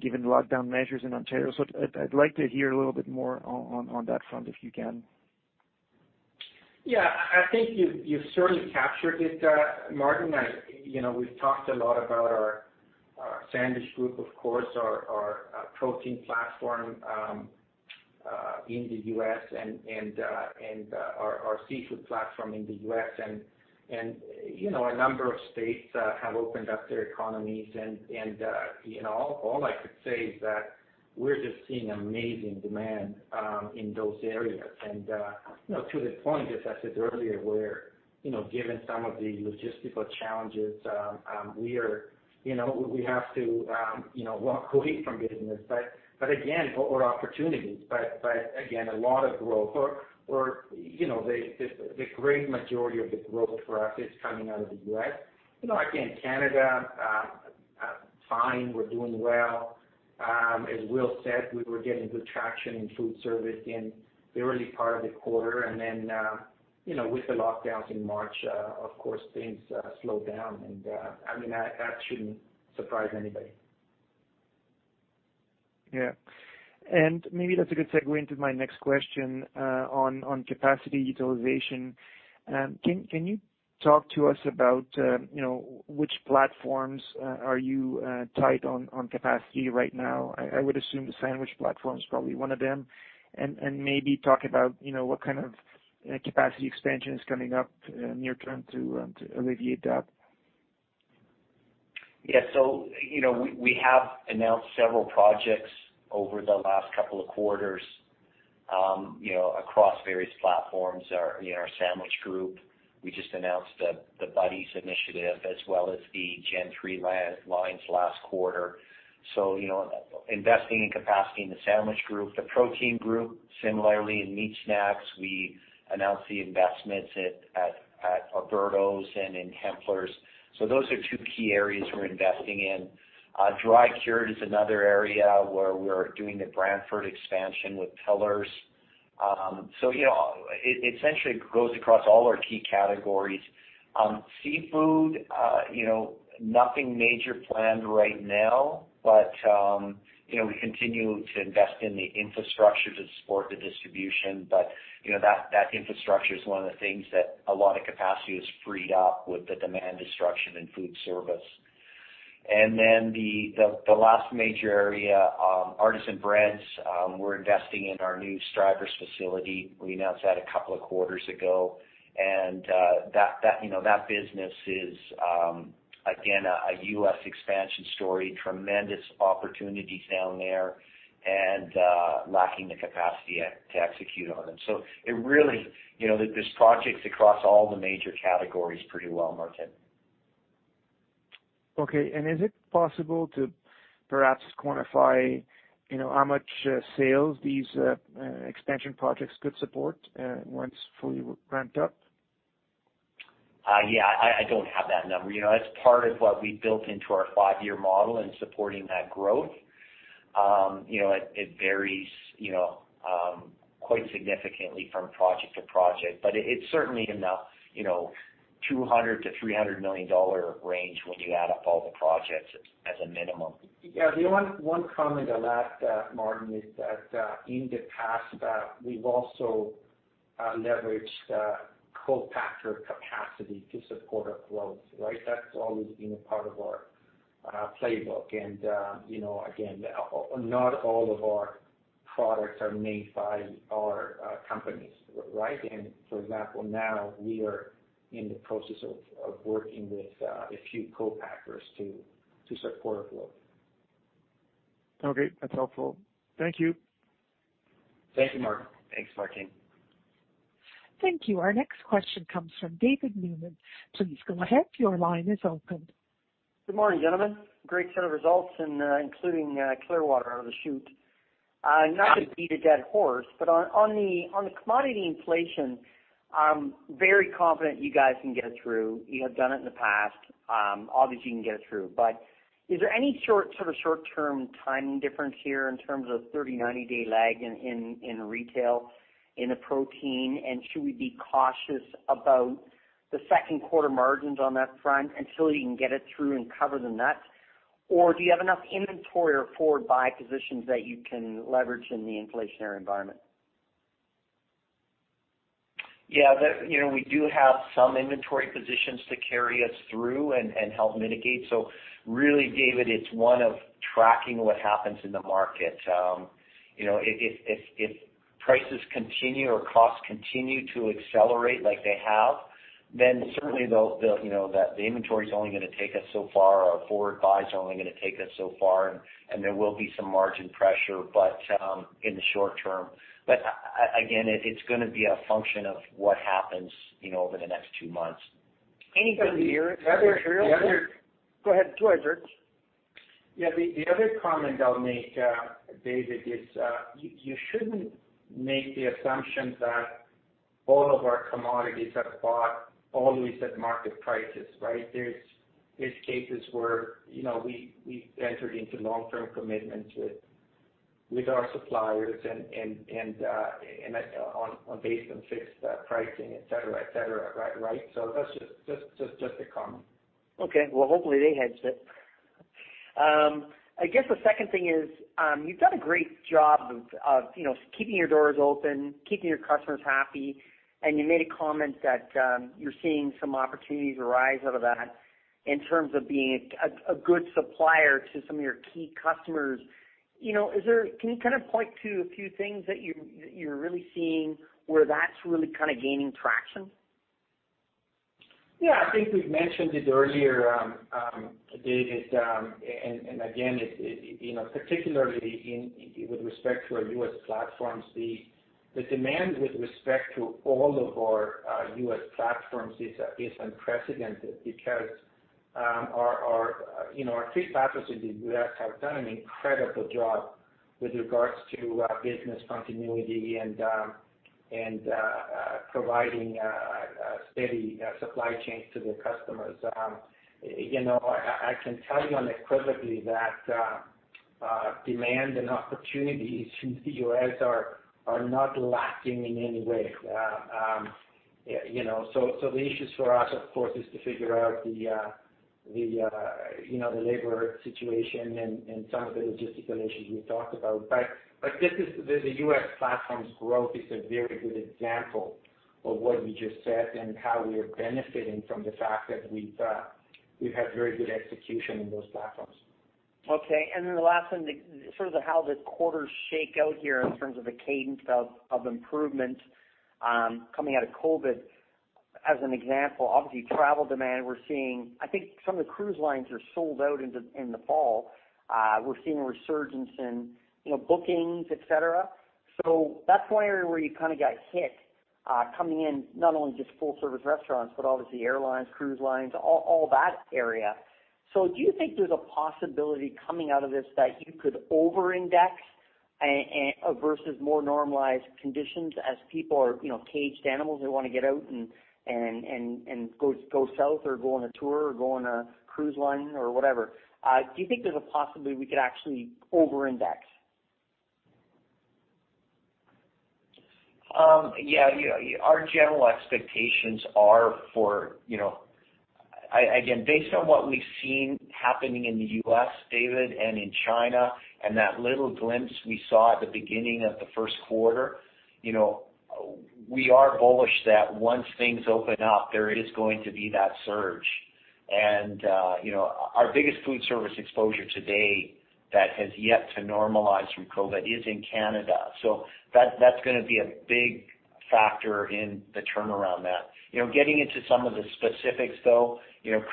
given the lockdown measures in Ontario. I'd like to hear a little bit more on that front, if you can. I think you've certainly captured it, Martin. We've talked a lot about our Sandwich group, of course, our protein platform in the U.S. and our seafood platform in the U.S. A number of states have opened up their economies and all I could say is that we're just seeing amazing demand in those areas. To the point, just as I said earlier, where given some of the logistical challenges, we have to walk away from business. Or opportunities, but again, a lot of growth or the great majority of the growth for us is coming out of the U.S. Canada, fine, we're doing well. As Will said, we were getting good traction in food service in the early part of the quarter. With the lockdowns in March, of course, things slowed down and that shouldn't surprise anybody. Yeah. Maybe that's a good segue into my next question on capacity utilization. Can you talk to us about which platforms are you tight on capacity right now? I would assume the sandwich platform is probably one of them. Maybe talk about what kind of capacity expansion is coming up near term to alleviate that. We have announced several projects over the last couple of quarters across various platforms. Our sandwich group, we just announced the Buddy's initiative as well as the Gen3 lines last quarter. Investing in capacity in the sandwich group. The protein group, similarly in meat snacks, we announced the investments at Oberto's and in Hempler's. Those are two key areas we're investing in. Dry-cured is another area where we're doing the Brantford expansion with Piller's. Essentially it goes across all our key categories. Seafood, nothing major planned right now, but we continue to invest in the infrastructure to support the distribution. That infrastructure is one of the things that a lot of capacity was freed up with the demand destruction in food service. The last major area, artisan breads. We're investing in our new Stuyver's facility. We announced that a couple of quarters ago, and that business is again, a U.S. expansion story, tremendous opportunities down there and lacking the capacity to execute on them. Really, there's projects across all the major categories pretty well, Martin. Is it possible to perhaps quantify how much sales these expansion projects could support once fully ramped up? Yeah, I don't have that number. That's part of what we built into our five-year model in supporting that growth. It varies quite significantly from project to project, but it's certainly in the 200 million-300 million dollar range when you add up all the projects as a minimum. Yeah, the one comment I'll add, Martin, is that in the past, we've also leveraged co-packer capacity to support our growth, right? That's always been a part of our playbook. Again, not all of our products are made by our companies, right? For example, now we are in the process of working with a few co-packers to support our growth. Okay, that's helpful. Thank you. Thank you, Martin. Thanks, Martin. Thank you. Our next question comes from David Newman. Please go ahead. Your line is open. Good morning, gentlemen. Great set of results and including Clearwater out of the chute. Yeah. Not to beat a dead horse, on the commodity inflation, I'm very confident you guys can get through. You have done it in the past. Obviously you can get through, is there any sort of short-term timing difference here in terms of 30, 90-day lag in retail in the protein, and should we be cautious about the second quarter margins on that front until you can get it through and cover the nuts? Do you have enough inventory or forward buy positions that you can leverage in the inflationary environment? Yeah. We do have some inventory positions to carry us through and help mitigate. Really, David, it's one of tracking what happens in the market. If prices continue or costs continue to accelerate like they have, then certainly the inventory's only going to take us so far. Our forward buys are only going to take us so far, and there will be some margin pressure, but in the short term. Again, it's going to be a function of what happens over the next two months. Go ahead, George. Yeah, the other comment I'll make, David, is you shouldn't make the assumption that all of our commodities are bought always at market prices, right? There's cases where we entered into long-term commitments with our suppliers and based on fixed pricing, et cetera. Right? That's just a comment. Okay. Well, hopefully they hedged it. I guess the second thing is, you've done a great job of keeping your doors open, keeping your customers happy, and you made a comment that you're seeing some opportunities arise out of that in terms of being a good supplier to some of your key customers. Can you point to a few things that you're really seeing where that's really gaining traction? Yeah. I think we've mentioned it earlier, David, and again, particularly with respect to our U.S. platforms, the demand with respect to all of our U.S. platforms is unprecedented because our three platforms in the U.S. have done an incredible job with regards to business continuity and providing a steady supply chain to their customers. I can tell you unequivocally that demand and opportunities in the U.S. are not lacking in any way. The issues for us, of course, is to figure out the labor situation and some of the logistical issues we talked about. The U.S. platform's growth is a very good example of what we just said and how we are benefiting from the fact that we've had very good execution in those platforms. Okay. The last one, sort of how the quarters shake out here in terms of a cadence of improvement coming out of COVID. As an example, obviously, travel demand, I think some of the cruise lines are sold out in the fall. We're seeing a resurgence in bookings, et cetera. That's one area where you kind of got hit coming in, not only just full service restaurants, but obviously airlines, cruise lines, all that area. Do you think there's a possibility coming out of this that you could over-index versus more normalized conditions as people are caged animals that want to get out and go south or go on a tour or go on a cruise line or whatever? Do you think there's a possibility we could actually over-index? Yeah. Our general expectations are for, again, based on what we've seen happening in the U.S., David, and in China, and that little glimpse we saw at the beginning of the first quarter, we are bullish that once things open up, there is going to be that surge. Our biggest food service exposure today that has yet to normalize from COVID-19 is in Canada. That's going to be a big factor in the turnaround there. Getting into some of the specifics, though,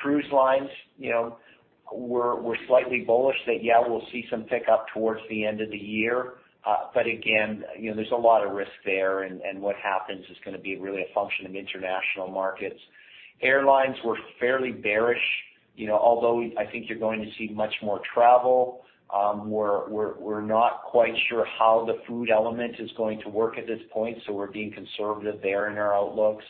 cruise lines, we're slightly bullish that, yeah, we'll see some pickup towards the end of the year. Again, there's a lot of risk there, and what happens is going to be really a function of international markets. Airlines, we're fairly bearish. Although I think you're going to see much more travel, we're not quite sure how the food element is going to work at this point, so we're being conservative there in our outlooks.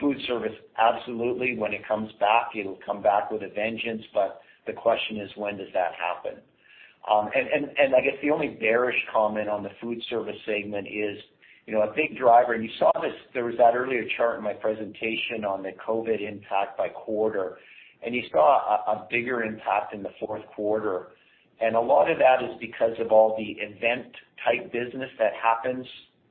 Food service, absolutely, when it comes back, it'll come back with a vengeance, but the question is, when does that happen? I guess the only bearish comment on the food service segment is a big driver, and you saw this, there was that earlier chart in my presentation on the COVID impact by quarter. You saw a bigger impact in the fourth quarter. A lot of that is because of all the event type business that happens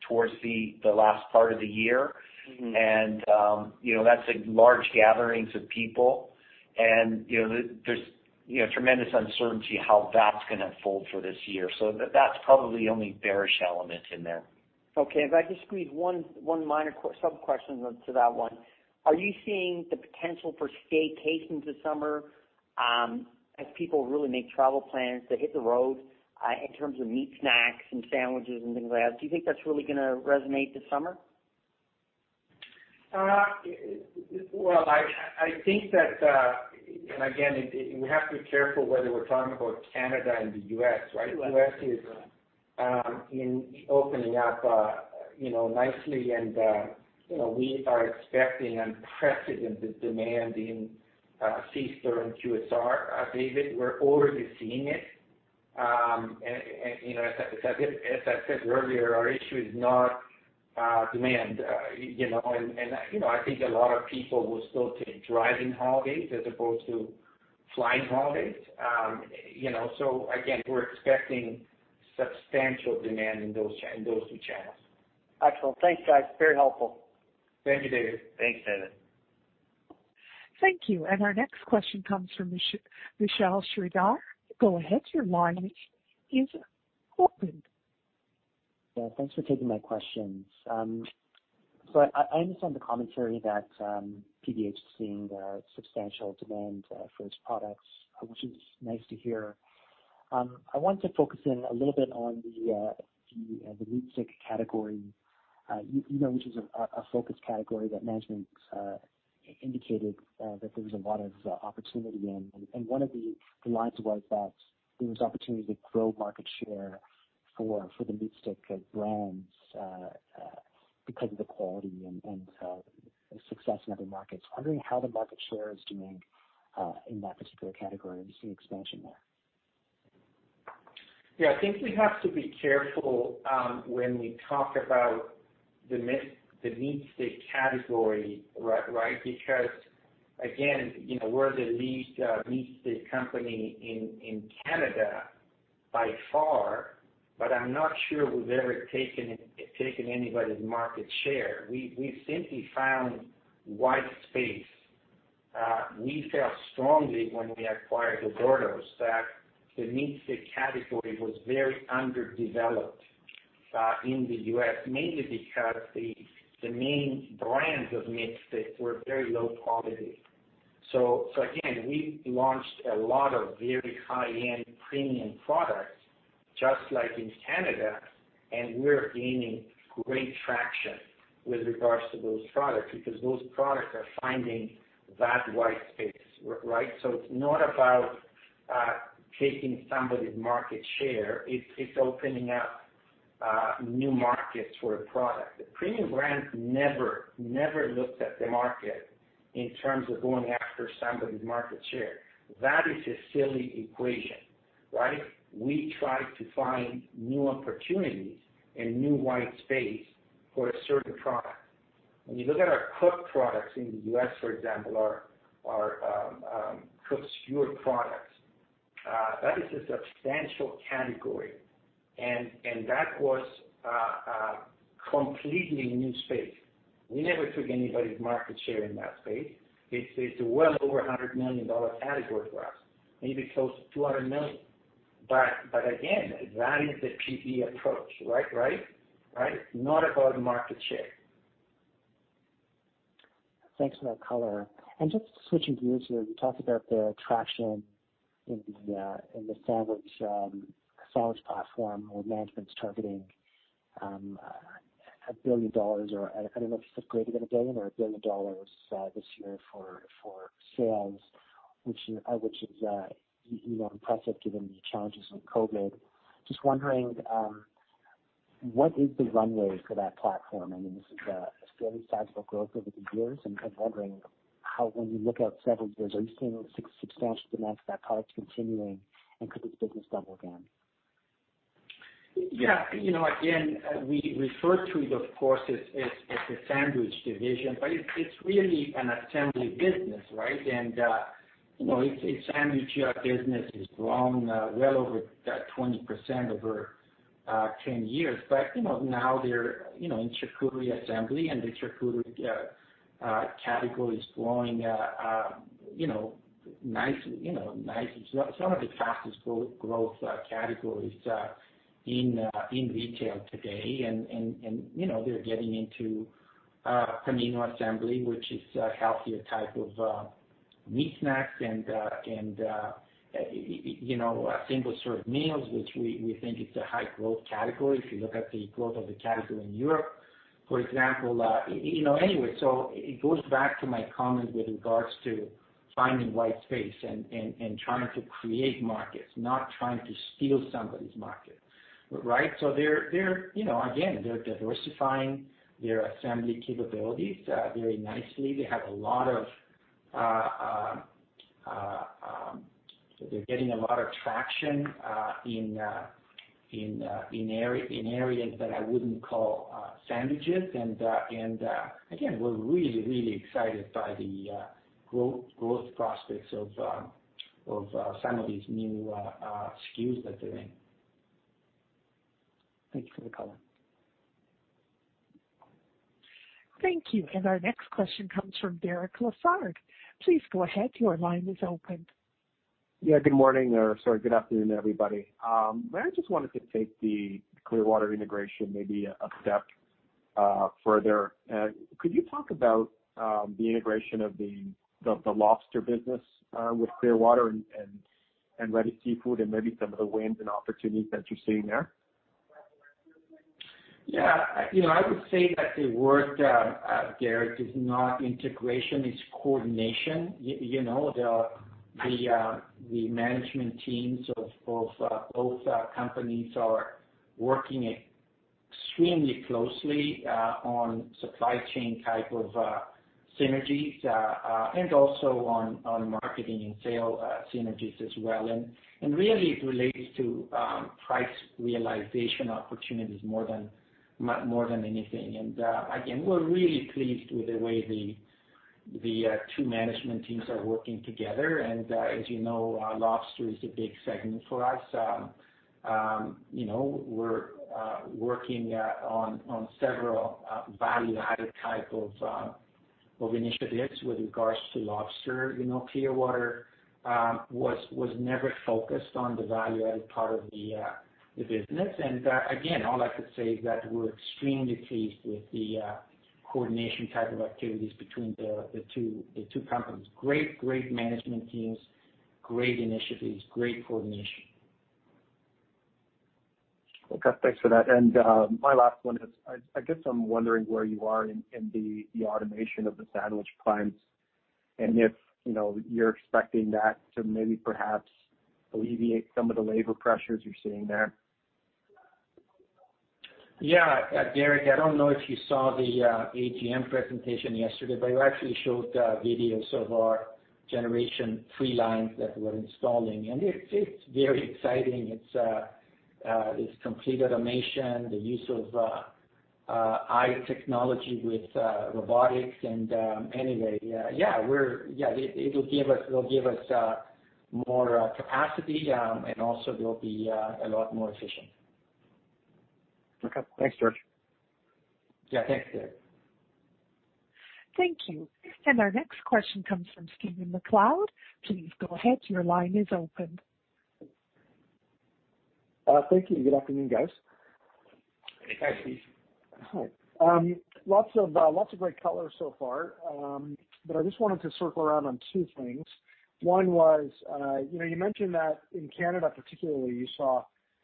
towards the last part of the year. That's large gatherings of people and there's tremendous uncertainty how that's going to unfold for this year. That's probably the only bearish element in there. Okay. If I could squeeze one minor sub-question to that one. Are you seeing the potential for staycations this summer as people really make travel plans to hit the road in terms of meat snacks and sandwiches and things like that? Do you think that's really going to resonate this summer? Well, I think that, and again, we have to be careful whether we're talking about Canada and the U.S., right? Yes. U.S. is opening up nicely. We are expecting unprecedented demand in C-store and QSR, David. We're already seeing it. As I said earlier, our issue is not demand. I think a lot of people will still take driving holidays as opposed to flying holidays. Again, we're expecting substantial demand in those two channels. Excellent. Thanks, guys. Very helpful. Thank you, David. Thanks, David. Thank you. Our next question comes from Michael Glen. Go ahead, your line is open. Yeah. Thanks for taking my questions. I understand the commentary that PBH is seeing substantial demand for its products, which is nice to hear. I want to focus in a little bit on the meat stick category, which is a focus category that management indicated that there was a lot of opportunity in. One of the lines was that there was opportunity to grow market share for the meat stick brands because of the quality and success in other markets. Wondering how the market share is doing in that particular category and seeing expansion there. Yeah, I think we have to be careful when we talk about the meat stick category, right? Again, we're the lead meat stick company in Canada by far, but I'm not sure we've ever taken anybody's market share. We simply found white space. We felt strongly when we acquired Oberto's, that the meat stick category was very underdeveloped in the U.S., mainly because the main brands of meat sticks were very low quality. Again, we launched a lot of very high-end premium products, just like in Canada, and we're gaining great traction with regards to those products because those products are finding that white space, right? It's not about taking somebody's market share. It's opening up new markets for a product. The Premium Brands never looked at the market in terms of going after somebody's market share. That is a silly equation, right? We try to find new opportunities and new white space for a certain product. When you look at our cooked products in the U.S., for example, our cooked skewered products, that is a substantial category. That was completely new space. We never took anybody's market share in that space. It's well over 100 million dollar category for us, maybe close to 200 million. Again, that is the PB approach, right? Not about market share. Thanks for that color. Just switching gears here, you talked about the traction in the sandwich platform where management's targeting 1 billion dollars or, I don't know if it's greater than 1 billion or 1 billion dollars this year for sales, which is impressive given the challenges from COVID-19. Just wondering, what is the runway for that platform? This is a fairly sizable growth over the years and I'm wondering how when you look out several years, are you seeing substantial amounts of that product continuing and could this business double again? Yeah. Again, we refer to it, of course, as the sandwich division, but it's really an assembly business, right? Its sandwich business has grown well over 20% over 10 years. Now they're in charcuterie assembly and the charcuterie category is growing nicely. Some of the fastest growth categories in retail today and they're getting into serrano assembly, which is a healthier type of meat snack and single-serve meals, which we think it's a high growth category if you look at the growth of the category in Europe, for example. Anyway, it goes back to my comment with regards to finding white space and trying to create markets, not trying to steal somebody's market, right? Again, they're diversifying their assembly capabilities very nicely. They're getting a lot of traction in areas that I wouldn't call sandwiches and again, we're really excited by the growth prospects of some of these new SKUs that they're in. Thanks for the color. Thank you. Our next question comes from Derek Lessard. Please go ahead. Your line is open. Yeah, good morning or sorry, good afternoon, everybody. I just wanted to take the Clearwater integration maybe a step further. Could you talk about the integration of the lobster business with Clearwater and Ready Seafood and maybe some of the wins and opportunities that you're seeing there? Yeah. I would say that the word, Derek, is not integration, it's coordination. The management teams of both companies are working extremely closely on supply chain type of synergies, and also on marketing and sale synergies as well. Really it relates to price realization opportunities more than anything. Again, we're really pleased with the way the two management teams are working together. As you know, lobster is a big segment for us. We're working on several value-added type of initiatives with regards to lobster. Clearwater was never focused on the value-added part of the business and again, all I could say is that we're extremely pleased with the coordination type of activities between the two companies. Great management teams, great initiatives, great coordination. Okay. Thanks for that. My last one is, I guess I'm wondering where you are in the automation of the sandwich plants, and if you're expecting that to maybe perhaps alleviate some of the labor pressures you're seeing there. Yeah. Derek, I don't know if you saw the AGM presentation yesterday, it actually showed videos of our Generation 3 lines that we're installing, and it's very exciting. It's complete automation, the use of AI technology with robotics anyway, yeah. It'll give us more capacity, also it will be a lot more efficient. Okay. Thanks, George. Yeah, thanks, Derek. Thank you. Our next question comes from Stephen MacLeod. Please go ahead, your line is open. Thank you. Good afternoon, guys. Hey. Hi, Steve. Hi. Lots of great color so far. I just wanted to circle around on two things. One was, you mentioned that in Canada particularly, you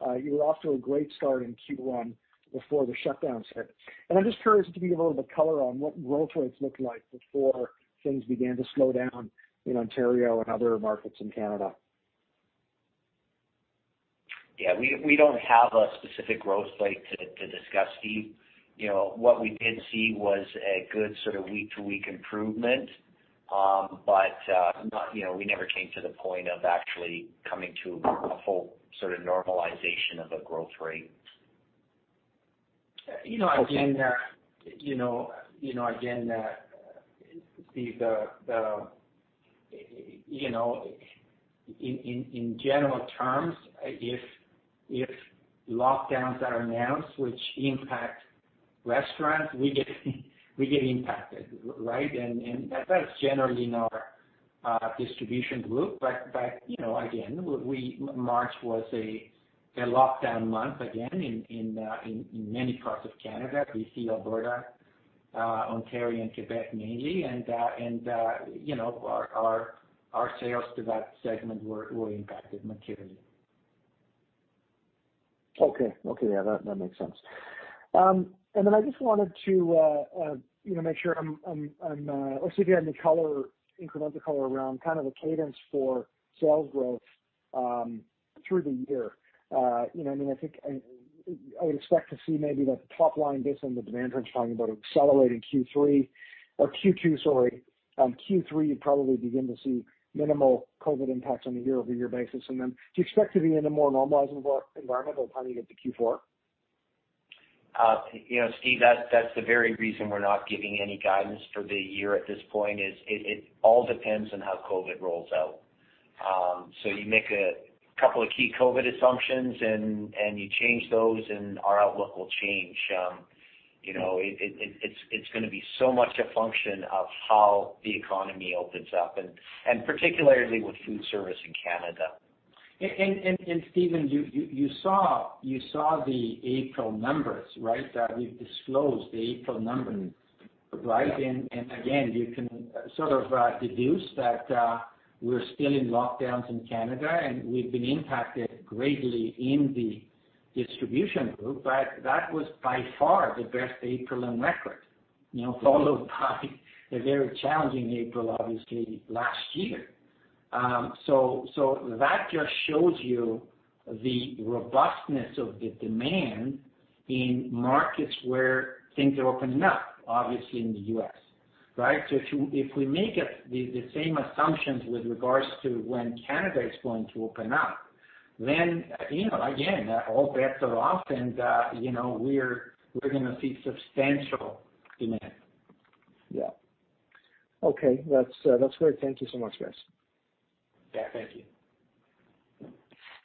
were off to a great start in Q1 before the shutdown started. I'm just curious to get a little bit of color on what growth rates looked like before things began to slow down in Ontario and other markets in Canada? Yeah, we don't have a specific growth rate to discuss, Steve. What we did see was a good sort of week-to-week improvement. We never came to the point of actually coming to a full sort of normalization of a growth rate. Okay. Again, Steve, in general terms, if lockdowns are announced which impact restaurants, we get impacted. Right? That's generally in our distribution group. Again, March was a lockdown month again in many parts of Canada. BC, Alberta, Ontario, and Quebec mainly. Our sales to that segment were impacted materially. Okay. Yeah, that makes sense. I just wanted to see if you had any incremental color around kind of the cadence for sales growth through the year. I would expect to see maybe the top line based on what Van Trent's talking about, accelerating Q2. Q3, you'd probably begin to see minimal COVID impacts on a year-over-year basis. Do you expect to be in a more normalizable environment by the time you get to Q4? Steve, that's the very reason we're not giving any guidance for the year at this point, is it all depends on how COVID rolls out. You make a couple of key COVID assumptions and you change those, and our outlook will change. It's going to be so much a function of how the economy opens up and particularly with food service in Canada. Stephen, you saw the April numbers, right? That we've disclosed the April numbers, right? Yeah. Again, you can sort of deduce that we're still in lockdowns in Canada, and we've been impacted greatly in the distribution group. That was by far the best April on record. Followed by a very challenging April, obviously last year. That just shows you the robustness of the demand in markets where things are opening up, obviously in the U.S. Right? If we make the same assumptions with regards to when Canada is going to open up, again, all bets are off and we're going to see substantial demand. Yeah. Okay. That's great. Thank you so much, guys. Yeah, thank you.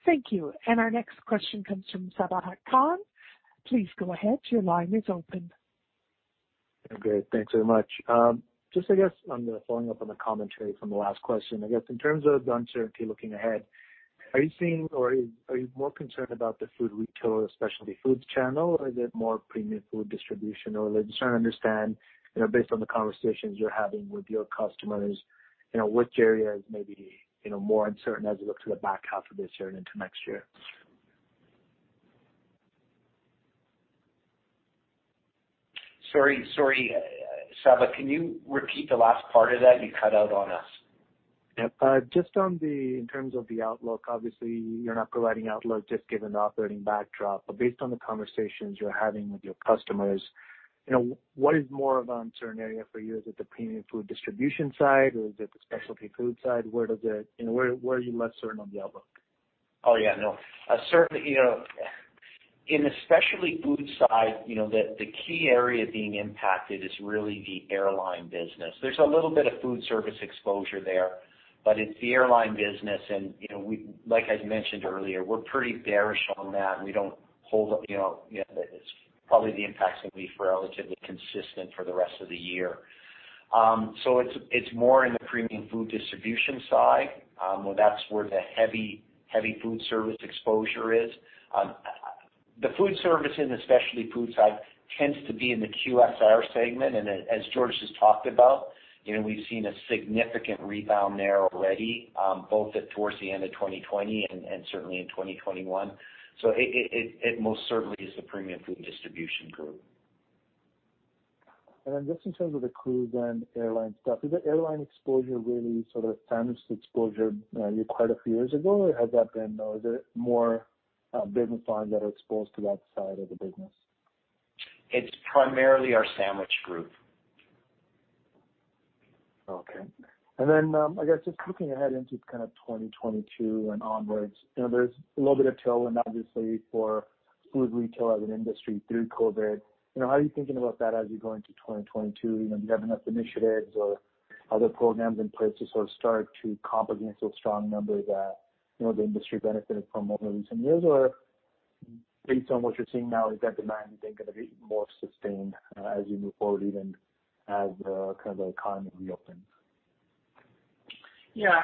Thank you. Our next question comes from Sabahat Khan. Please go ahead, your line is open. Okay. Thanks very much. I guess I'm following up on the commentary from the last question. I guess in terms of the uncertainty looking ahead, are you more concerned about the food retailer specialty foods channel, or is it more premium food distribution? I'm just trying to understand, based on the conversations you're having with your customers, which area is maybe more uncertain as we look to the back half of this year and into next year. Sorry, Sabah, can you repeat the last part of that? You cut out on us. Yep. Just in terms of the outlook, obviously you're not providing outlook just given the operating backdrop. Based on the conversations you're having with your customers, what is more of an uncertain area for you? Is it the premium food distribution side or is it the specialty food side? Where are you less certain on the outlook? Oh, yeah, no. In the specialty food side, the key area being impacted is really the airline business. There's a little bit of food service exposure there, but it's the airline business and like I mentioned earlier, we're pretty bearish on that. Probably the impacts will be relatively consistent for the rest of the year. It's more in the premium food distribution side, where that's where the heavy food service exposure is. The food service and the specialty food side tends to be in the QSR segment. As George has talked about, we've seen a significant rebound there already, both towards the end of 2020 and certainly in 2021. It most certainly is the premium food distribution. Just in terms of the cruise and then airline stuff, is the airline exposure really sort of sandwiched exposure you had quite a few years ago? Or is it more business lines that are exposed to that side of the business? It's primarily our sandwich group. Okay. I guess just looking ahead into kind of 2022 and onwards, there's a little bit of tailwind, obviously, for food retail as an industry through COVID. How are you thinking about that as you go into 2022? Do you have enough initiatives or other programs in place to sort of start to compensate those strong numbers that the industry benefited from over recent years? Or based on what you're seeing now, is that demand then going to be more sustained as you move forward, even as the kind of the economy reopens? Yeah.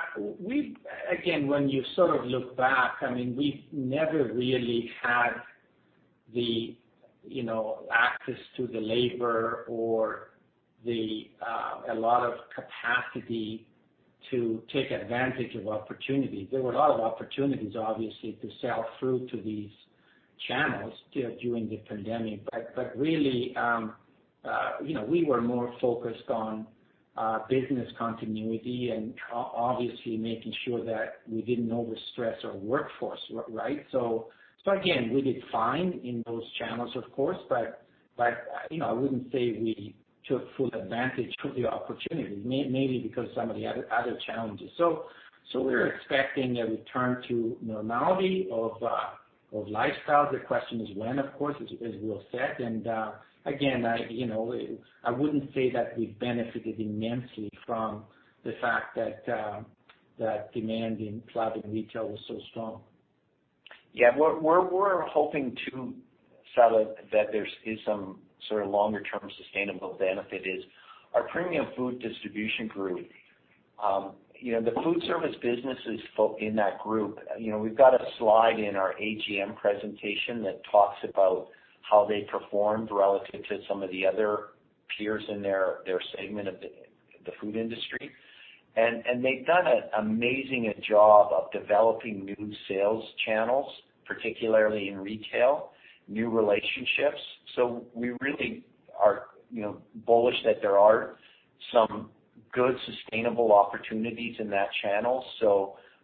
Again, when you sort of look back, we never really had the access to the labor or a lot of capacity to take advantage of opportunities. There were a lot of opportunities, obviously, to sell through to these channels during the pandemic, but really, we were more focused on business continuity and obviously making sure that we didn't overstress our workforce, right? Again, we did fine in those channels, of course, but I wouldn't say we took full advantage of the opportunity, maybe because of some of the other challenges. We're expecting a return to normality of lifestyles. The question is when, of course, as Will said. Again, I wouldn't say that we benefited immensely from the fact that demand in private retail was so strong. Yeah. Where we're hoping to sell it, that there is some sort of longer-term sustainable benefit is our premium food distribution group. The food service business is in that group. We've got a slide in our AGM presentation that talks about how they performed relative to some of the other peers in their segment of the food industry. They've done an amazing job of developing new sales channels, particularly in retail, new relationships. We really are bullish that there are some good, sustainable opportunities in that channel.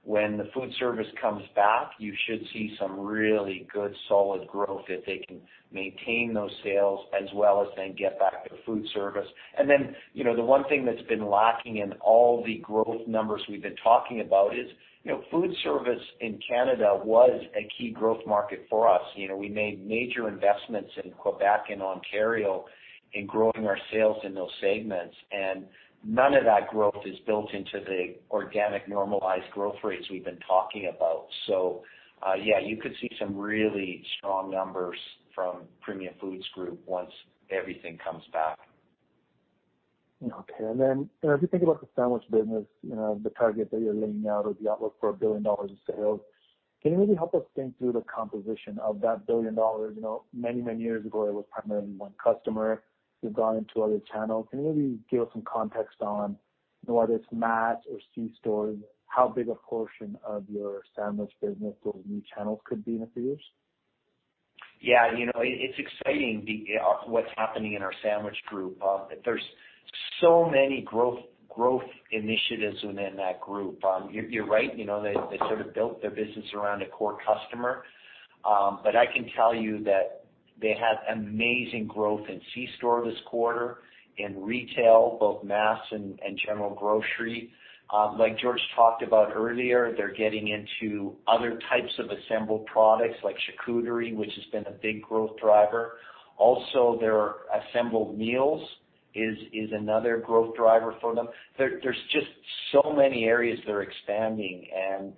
When the food service comes back, you should see some really good, solid growth if they can maintain those sales as well as then get back their food service. The one thing that's been lacking in all the growth numbers we've been talking about is food service in Canada was a key growth market for us. We made major investments in Quebec and Ontario in growing our sales in those segments, and none of that growth is built into the organic normalized growth rates we've been talking about. Yeah, you could see some really strong numbers from Premium Foods Group once everything comes back. Okay. As you think about the sandwich business, the target that you're laying out or the outlook for 1 billion dollars in sales, can you maybe help us think through the composition of that 1 billion dollars? Many years ago, it was primarily one customer. You've gone into other channels. Can you maybe give some context on whether it's mass or C-stores, how big a portion of your sandwich business those new channels could be in a few years? Yeah. It's exciting what's happening in our sandwich group. There's so many growth initiatives within that group. You're right, they sort of built their business around a core customer. I can tell you that they had amazing growth in C-store this quarter, in retail, both mass and general grocery. Like George talked about earlier, they're getting into other types of assembled products like charcuterie, which has been a big growth driver. Their assembled meals is another growth driver for them. There's just so many areas they're expanding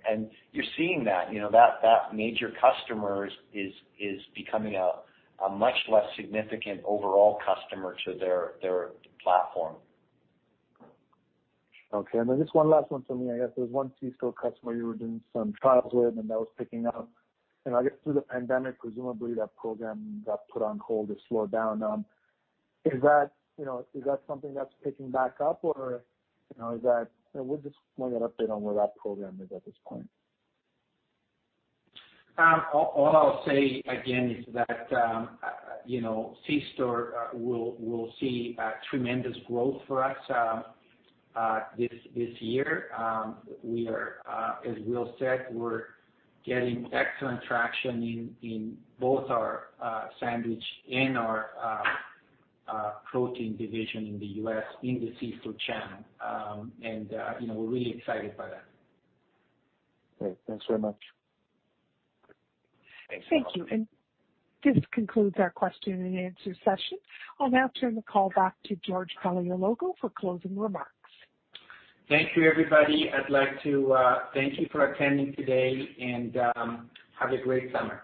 and you're seeing that. That major customer is becoming a much less significant overall customer to their platform. Okay. Just one last one for me, I guess. There's one C-store customer you were doing some trials with and that was picking up. I guess through the pandemic, presumably that program got put on hold or slowed down. Is that something that's picking back up or we'll just want an update on where that program is at this point. All I'll say again is that C-store will see tremendous growth for us this year. As Will said, we're getting excellent traction in both our sandwich and our protein division in the U.S. in the C-store channel. We're really excited by that. Great. Thanks very much. Thanks. Thank you. This concludes our question and answer session. I'll now turn the call back to George Paleologou for closing remarks. Thank you, everybody. I'd like to thank you for attending today and have a great summer.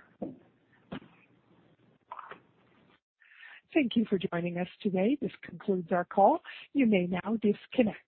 Thank you for joining us today. This concludes our call. You may now disconnect.